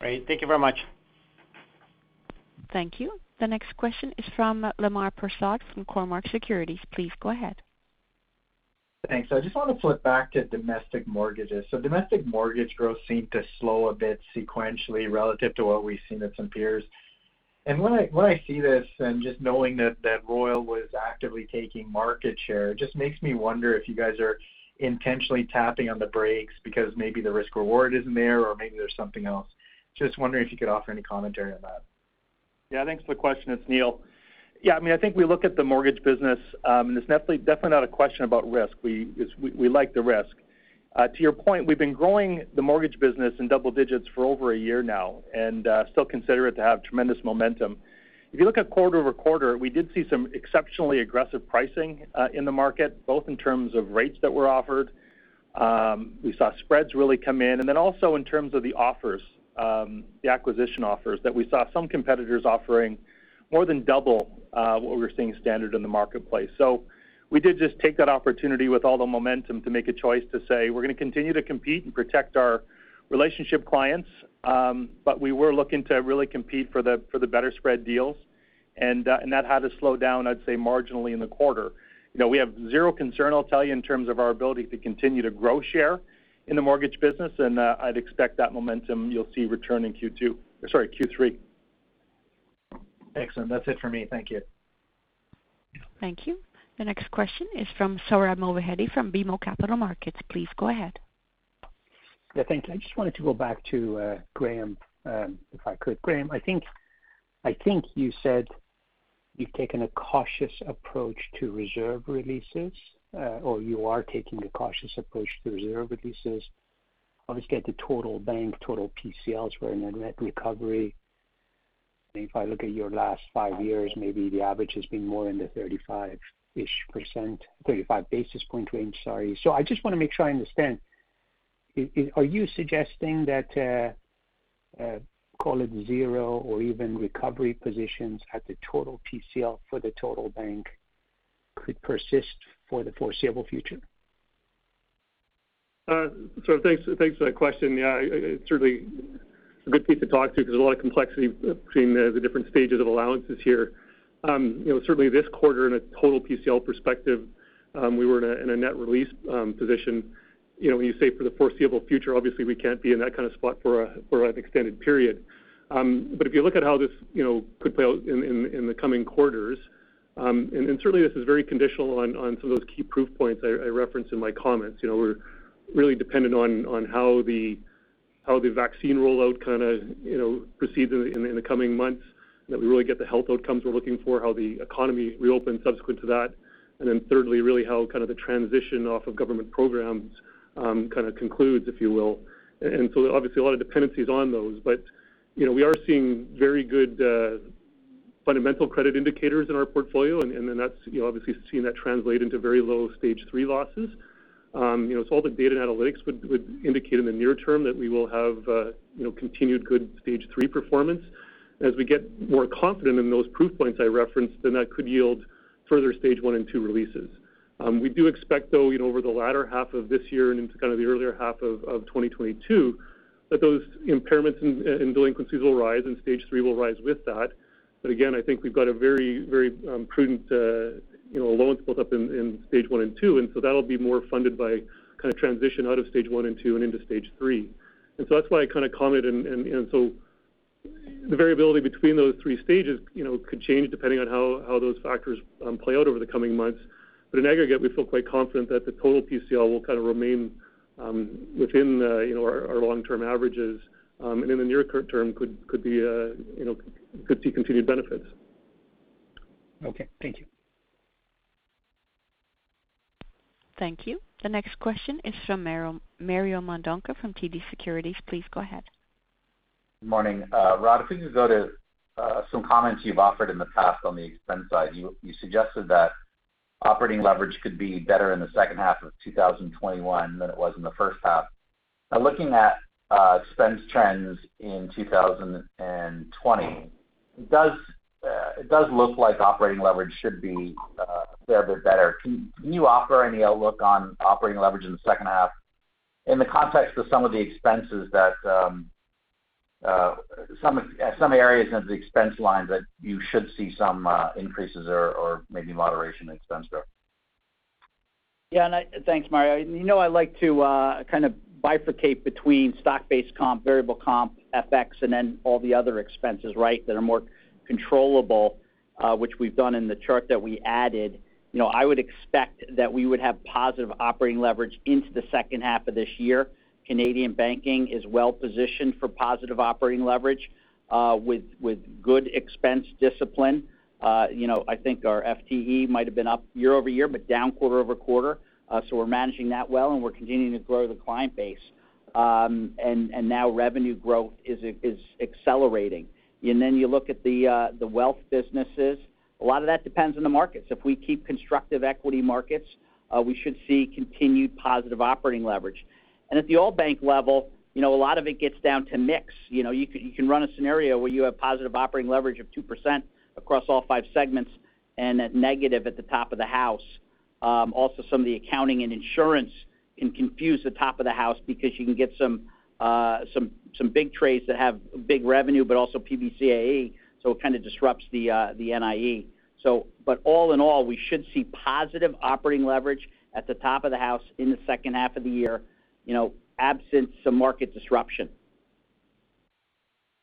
Great. Thank you very much. Thank you. The next question is from Lemar Persaud from Cormark Securities. Please go ahead. Thanks. I just want to flip back to domestic mortgages. Domestic mortgage growth seemed to slow a bit sequentially relative to what we've seen at some peers. When I see this, and just knowing that Royal was actively taking market share, it just makes me wonder if you guys are intentionally tapping on the brakes because maybe the risk/reward isn't there or maybe there's something else. Just wondering if you could offer any commentary on that. Yeah, thanks for the question. It's Neil. I think we look at the mortgage business, and it's definitely not a question about risk. We like the risk. To your point, we've been growing the mortgage business in double digits for over a year now and still consider it to have tremendous momentum. If you look at quarter-over-quarter, we did see some exceptionally aggressive pricing in the market, both in terms of rates that were offered. We saw spreads really come in. Also, in terms of the acquisition offers that we saw some competitors offering more than double what we're seeing standard in the marketplace. We did just take that opportunity with all the momentum to make a choice to say, we're going to continue to compete and protect our relationship clients. We were looking to really compete for the better spread deals, and that had to slow down, I'd say, marginally in the quarter. We have zero concern, I'll tell you, in terms of our ability to continue to grow share in the mortgage business, and I'd expect that momentum you'll see return in Q2, sorry, Q3. Excellent. That's it for me. Thank you. Thank you. The next question is from Sohrab Movahedi from BMO Capital Markets. Please go ahead. Yeah, thanks. I just wanted to go back to Graeme, if I could. Graeme, I think you said you've taken a cautious approach to reserve releases, or you are taking a cautious approach to reserve releases. Obviously, I think the total bank, total PCLs were in a net recovery. If I look at your last five years, maybe the average has been more in the 35-ish %, 35 basis point range, sorry. I just want to make sure I understand. Are you suggesting that, call it zero or even recovery positions at the total PCL for the total bank could persist for the foreseeable future? Thanks for that question. Yeah, it's certainly a good thing to talk through because there's a lot of complexity between the different stages of allowances here. Certainly this quarter in a total PCL perspective, we were in a net release position. When you say for the foreseeable future, obviously we can't be in that kind of spot for an extended period. If you look at how this could play out in the coming quarters, and certainly this is very conditional on some of those key proof points I referenced in my comments. We're really dependent on how the vaccine rollout proceeds in the coming months, that we really get the health outcomes we're looking for, how the economy reopens subsequent to that, and then thirdly, really how the transition off of government programs concludes, if you will. Obviously a lot of dependencies on those, but we are seeing very good. Fundamental credit indicators in our portfolio, that's obviously seen that translate into very low stage three losses. All the data and analytics would indicate in the near term that we will have continued good stage three performance. As we get more confident in those proof points I referenced, that could yield further stage one and two releases. We do expect, though, over the latter half of this year and into kind of the earlier half of 2022, that those impairments and delinquencies will rise, and stage three will rise with that. Again, I think we've got a very prudent loans built up in stage one and two, that'll be more funded by kind of transition out of stage one and two and into stage three. That's why I kind of comment. The variability between those three stages could change depending on how those factors play out over the coming months. In aggregate, we feel quite confident that the total PCL will remain within our long-term averages, and in the near term could see continued benefits. Okay. Thank you. Thank you. The next question is from Mario Mendonca from TD Securities. Please go ahead. Good morning. Rod, if we could go to some comments you've offered in the past on the expense side. You suggested that operating leverage could be better in the second half of 2021 than it was in the first half. Looking at expense trends in 2020, it does look like operating leverage should be a fair bit better. Can you offer any outlook on operating leverage in the second half in the context of some areas of the expense line that you should see some increases or maybe moderation in expense there? Thanks, Mario. You know I like to kind of bifurcate between stock-based comp, variable comp, FX, and then all the other expenses that are more controllable, which we've done in the chart that we added. I would expect that we would have positive operating leverage into the second half of this year. Canadian banking is well-positioned for positive operating leverage with good expense discipline. I think our FTE might have been up year-over-year, down quarter-over-quarter. We're managing that well, we're continuing to grow the client base. Now revenue growth is accelerating. You look at the wealth businesses. A lot of that depends on the markets. If we keep constructive equity markets, we should see continued positive operating leverage. At the all-bank level, a lot of it gets down to mix. You can run a scenario where you have positive operating leverage of 2% across all five segments and at negative at the top of the house. Some of the accounting and insurance can confuse the top of the house because you can get some big trades that have big revenue, but also PBCAE, it kind of disrupts the NIE. All in all, we should see positive operating leverage at the top of the house in the second half of the year, absent some market disruption.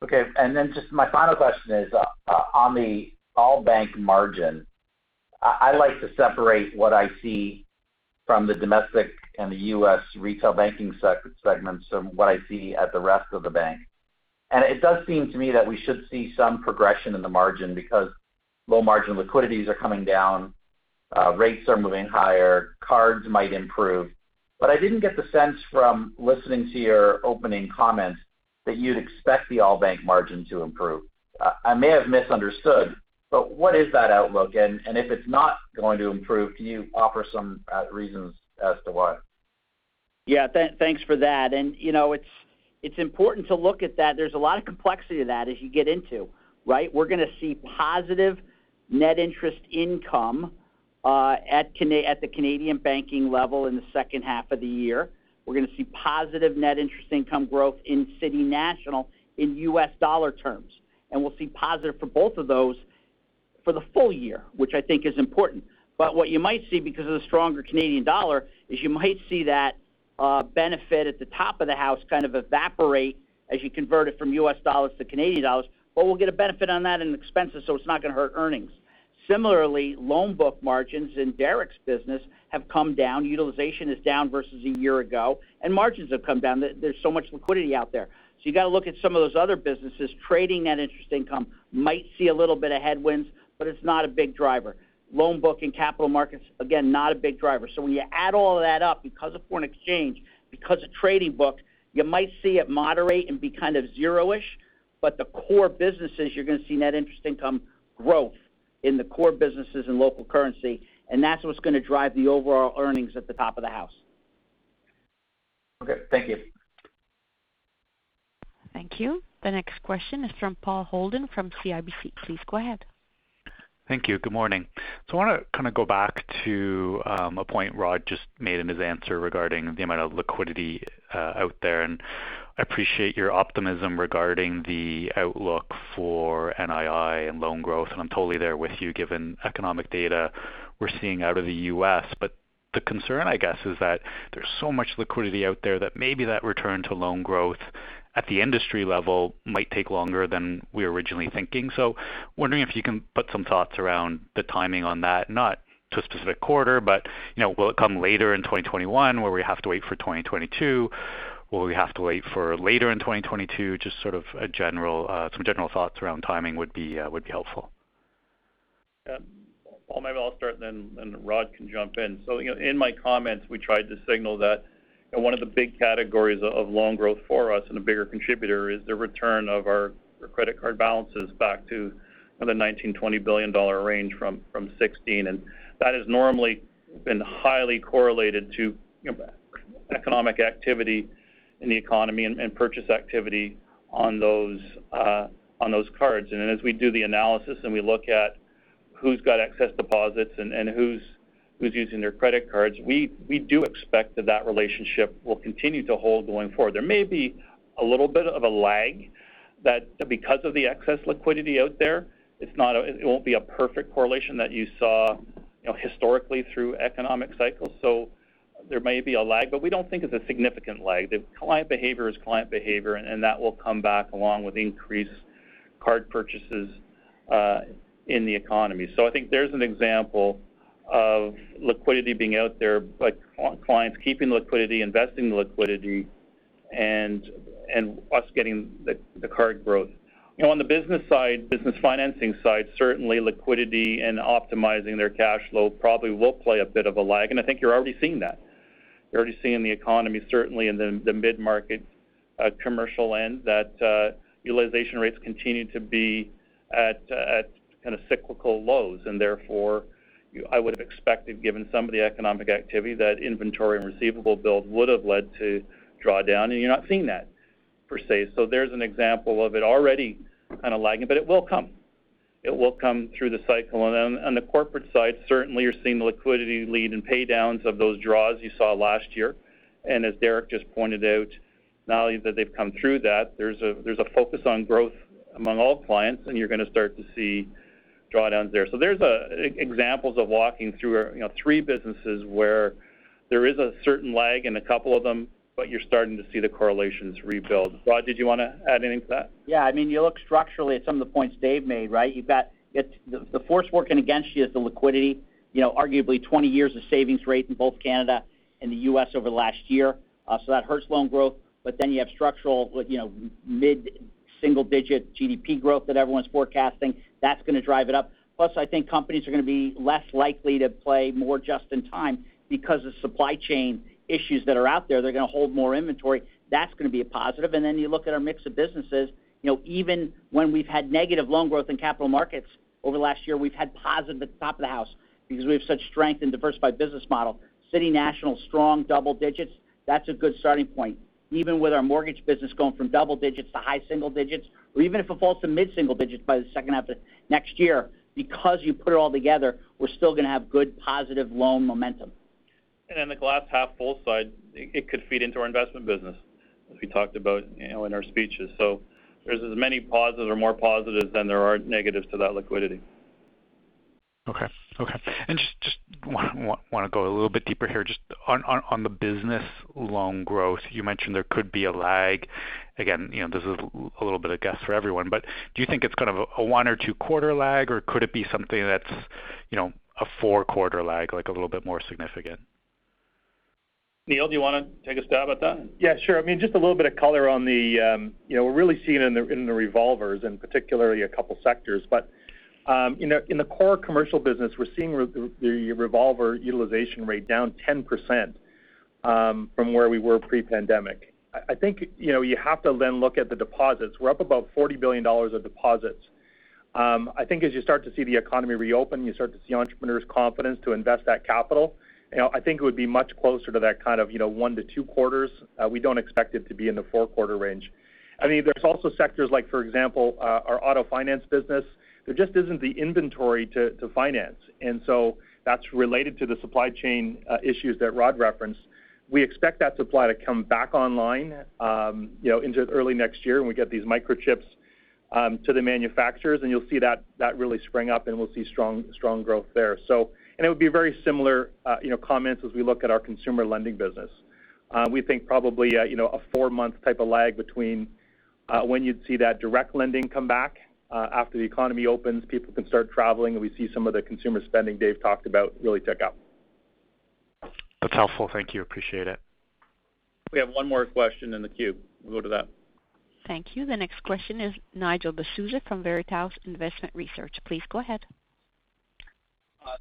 Okay. Then just my final question is on the all-bank margin. I like to separate what I see from the domestic and the U.S. retail banking segments from what I see at the rest of the bank. It does seem to me that we should see some progression in the margin because low margin liquidities are coming down, rates are moving higher, cards might improve. I didn't get the sense from listening to your opening comments that you'd expect the all-bank margin to improve. I may have misunderstood, but what is that outlook? If it's not going to improve, can you offer some reasons as to why? Yeah. Thanks for that. It's important to look at that. There's a lot of complexity to that as you get into, right? We're going to see positive net interest income at the Canadian banking level in the second half of the year. We're going to see positive net interest income growth in City National in U.S. dollar terms. We'll see positive for both of those for the full year, which I think is important. What you might see because of the stronger Canadian dollar is you might see that benefit at the top of the house kind of evaporate as you convert it from U.S. dollars to Canadian dollars. We'll get a benefit on that in expenses, so it's not going to hurt earnings. Similarly, loan book margins in Derek's business have come down. Utilization is down versus a year ago, and margins have come down. There's so much liquidity out there. You got to look at some of those other businesses. Trading net interest income might see a little bit of headwinds, but it's not a big driver. Loan book and capital markets, again, not a big driver. When you add all of that up, because of foreign exchange, because of trading book, you might see it moderate and be kind of zero-ish, but the core businesses, you're going to see net interest income growth in the core businesses in local currency, and that's what's going to drive the overall earnings at the top of the house. Okay. Thank you. Thank you. The next question is from Paul Holden from CIBC. Please go ahead. Thank you. Good morning. I want to kind of go back to a point Rod just made in his answer regarding the amount of liquidity out there, and I appreciate your optimism regarding the outlook for NII and loan growth, and I'm totally there with you given economic data we're seeing out of the U.S. The concern, I guess, is that there's so much liquidity out there that maybe that return to loan growth at the industry level might take longer than we were originally thinking. Wondering if you can put some thoughts around the timing on that. Not to a specific quarter, but will it come later in 2021? Will we have to wait for 2022? Will we have to wait for later in 2022? Just sort of some general thoughts around timing would be helpful. Yeah. Paul, maybe I'll start, and then Rod can jump in. In my comments, we tried to signal that one of the big categories of loan growth for us and a bigger contributor is the return of our credit card balances back to the 19 billion-20 billion dollar range from 16 billion. That has normally been highly correlated to economic activity in the economy and purchase activity on those cards. As we do the analysis and we look at who's got excess deposits and who's using their credit cards, we do expect that relationship will continue to hold going forward. There may be a little bit of a lag that because of the excess liquidity out there, it won't be a perfect correlation that you saw historically through economic cycles. There may be a lag, but we don't think it's a significant lag. Client behavior is client behavior. That will come back along with increased card purchases in the economy. I think there's an example of liquidity being out there, but clients keeping liquidity, investing liquidity, and us getting the card growth. On the business side, business financing side, certainly liquidity and optimizing their cash flow probably will play a bit of a lag, and I think you're already seeing that. You're already seeing the economy, certainly in the mid-market commercial end, that utilization rates continue to be at kind of cyclical lows. Therefore, I would have expected, given some of the economic activity, that inventory and receivable builds would have led to drawdown, and you're not seeing that per se. There's an example of it already kind of lagging, but it will come. It will come through the cycle. On the corporate side, certainly you're seeing liquidity lead and pay downs of those draws you saw last year. As Derek just pointed out, now that they've come through that, there's a focus on growth among all clients, and you're going to start to see drawdowns there. There's examples of walking through three businesses where there is a certain lag in a couple of them, but you're starting to see the correlations rebuild. Rod, did you want to add anything to that? You look structurally at some of the points Dave made, right. You've got the force working against you is the liquidity. Arguably 20 years of savings rate in both Canada and the U.S. over the last year. That hurts loan growth. You have structural mid-single-digit GDP growth that everyone's forecasting. That's going to drive it up. Plus, I think companies are going to be less likely to play more just in time because of supply chain issues that are out there. They're going to hold more inventory. That's going to be a positive. You look at our mix of businesses. Even when we've had negative loan growth in capital markets over the last year, we've had positive at the top of the house because we have such strength in diversified business model. City National, strong double digits. That's a good starting point. Even with our mortgage business going from double digits to high single digits, or even if it falls to mid-single digits by the second half of next year, because you put it all together, we're still going to have good positive loan momentum. In the glass half full side, it could feed into our investment business, as we talked about in our speeches. There's as many positives or more positives than there are negatives to that liquidity. Okay. Just want to go a little bit deeper here. Just on the business loan growth, you mentioned there could be a lag. Again, this is a little bit of guess for everyone, but do you think it's kind of a one or two-quarter lag, or could it be something that's a four-quarter lag, like a little bit more significant? Neil, do you want to take a stab at that? Yeah, sure. Just a little bit of color. We're really seeing it in the revolvers, and particularly a couple of sectors. In the core commercial business, we're seeing the revolver utilization rate down 10% from where we were pre-pandemic. I think you have to then look at the deposits. We're up about 40 billion dollars of deposits. I think as you start to see the economy reopen, you start to see entrepreneurs' confidence to invest that capital. I think it would be much closer to that kind of one to two quarters. We don't expect it to be in the four-quarter range. There's also sectors like, for example, our auto finance business. There just isn't the inventory to finance. That's related to the supply chain issues that Rod referenced. We expect that supply to come back online into early next year when we get these microchips to the manufacturers, and you'll see that really spring up, and we'll see strong growth there. It'll be very similar comments as we look at our consumer lending business. We think probably a four-month type of lag between when you'd see that direct lending come back after the economy opens, people can start traveling, and we see some of the consumer spending Dave talked about really take off. That's helpful. Thank you. Appreciate it. We have one more question in the queue. We'll go to that. Thank you. The next question is Nigel D'Souza from Veritas Investment Research. Please go ahead.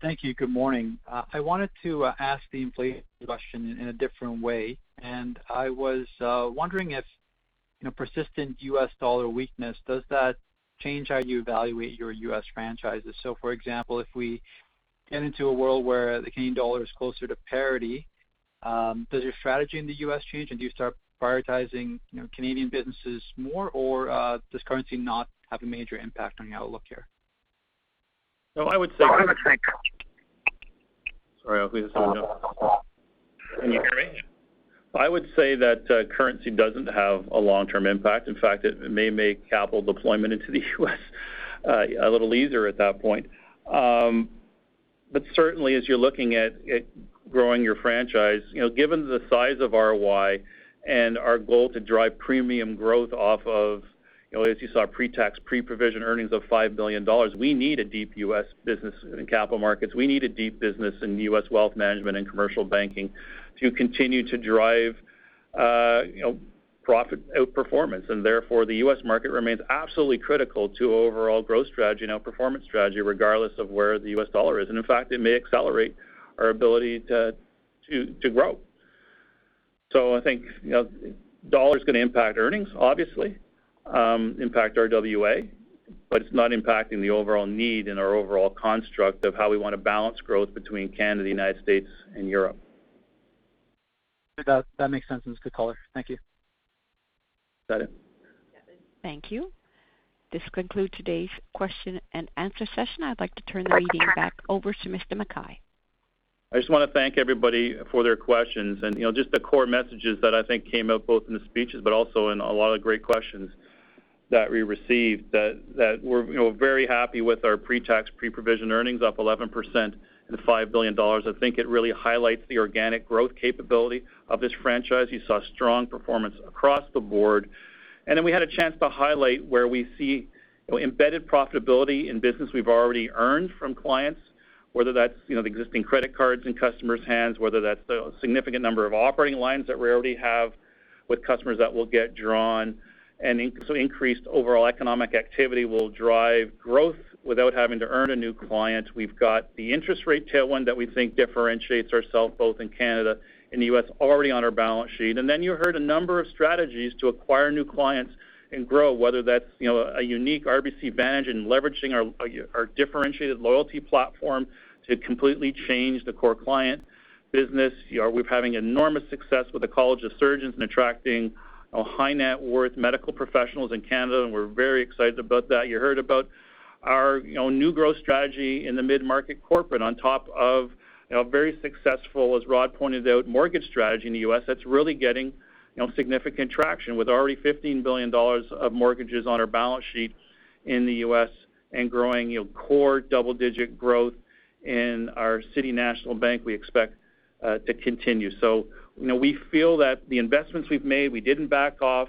Thank you. Good morning. I wanted to ask the inflation question in a different way, and I was wondering if persistent U.S. dollar weakness, does that change how you evaluate your U.S. franchises? For example, if we get into a world where the Canadian dollar is closer to parity, does your strategy in the U.S. change? Do you start prioritizing Canadian businesses more, or does currency not have a major impact on your outlook here? I would say- Sorry, I hope you guys can hear me. I would say that currency doesn't have a long-term impact. In fact, it may make capital deployment into the U.S. a little easier at that point. Certainly, as you're looking at growing your franchise, given the size of RY and our goal to drive premium growth off of, as you saw, pre-tax, pre-provision earnings of 5 billion dollars, we need a deep U.S. business in capital markets. We need a deep business in U.S. Wealth Management and Commercial Banking to continue to drive Profit outperformance, therefore the U.S. market remains absolutely critical to overall growth strategy and outperformance strategy, regardless of where the U.S. dollar is. In fact, it may accelerate our ability to grow. I think, dollar is going to impact earnings, obviously, impact our RWA, but it's not impacting the overall need and our overall construct of how we want to balance growth between Canada, the United States, and Europe. That makes sense, and it's a good color. Thank you. Is that it? Thank you. This concludes today's question and answer session. I'd like to turn the meeting back over to Mr. McKay. I just want to thank everybody for their questions and just the core messages that I think came out both in the speeches but also in a lot of great questions that we received, that we're very happy with our pre-tax, pre-provision earnings up 11% to 5 billion dollars. I think it really highlights the organic growth capability of this franchise. You saw strong performance across the board. We had a chance to highlight where we see embedded profitability in business we've already earned from clients, whether that's the existing credit cards in customers' hands, whether that's the significant number of operating lines that we already have with customers that will get drawn, and increased overall economic activity will drive growth without having to earn a new client. We've got the interest rate tailwind that we think differentiates ourselves both in Canada and the U.S. already on our balance sheet. You heard a number of strategies to acquire new clients and grow, whether that's a unique RBC Vantage in leveraging our differentiated loyalty platform to completely change the core client business. We're having enormous success with the College of Surgeons in attracting high-net-worth medical professionals in Canada, and we're very excited about that. You heard about our new growth strategy in the mid-market corporate on top of very successful, as Rod pointed out, mortgage strategy in the U.S. that's really getting significant traction with already 15 billion dollars of mortgages on our balance sheet in the U.S. and growing core double-digit growth in our City National Bank we expect to continue. We feel that the investments we've made, we didn't back off.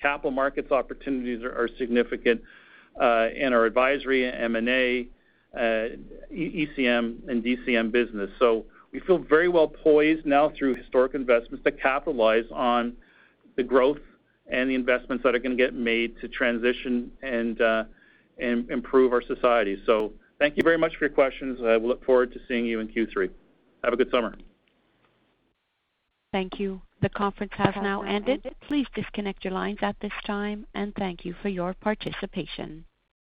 Capital markets opportunities are significant in our advisory, M&A ECM and DCM business. We feel very well poised now through historic investments to capitalize on the growth and the investments that are going to get made to transition and improve our society. Thank you very much for your questions, and I look forward to seeing you in Q3. Have a good summer. Thank you. The conference has now ended. Please disconnect your lines at this time, and thank you for your participation.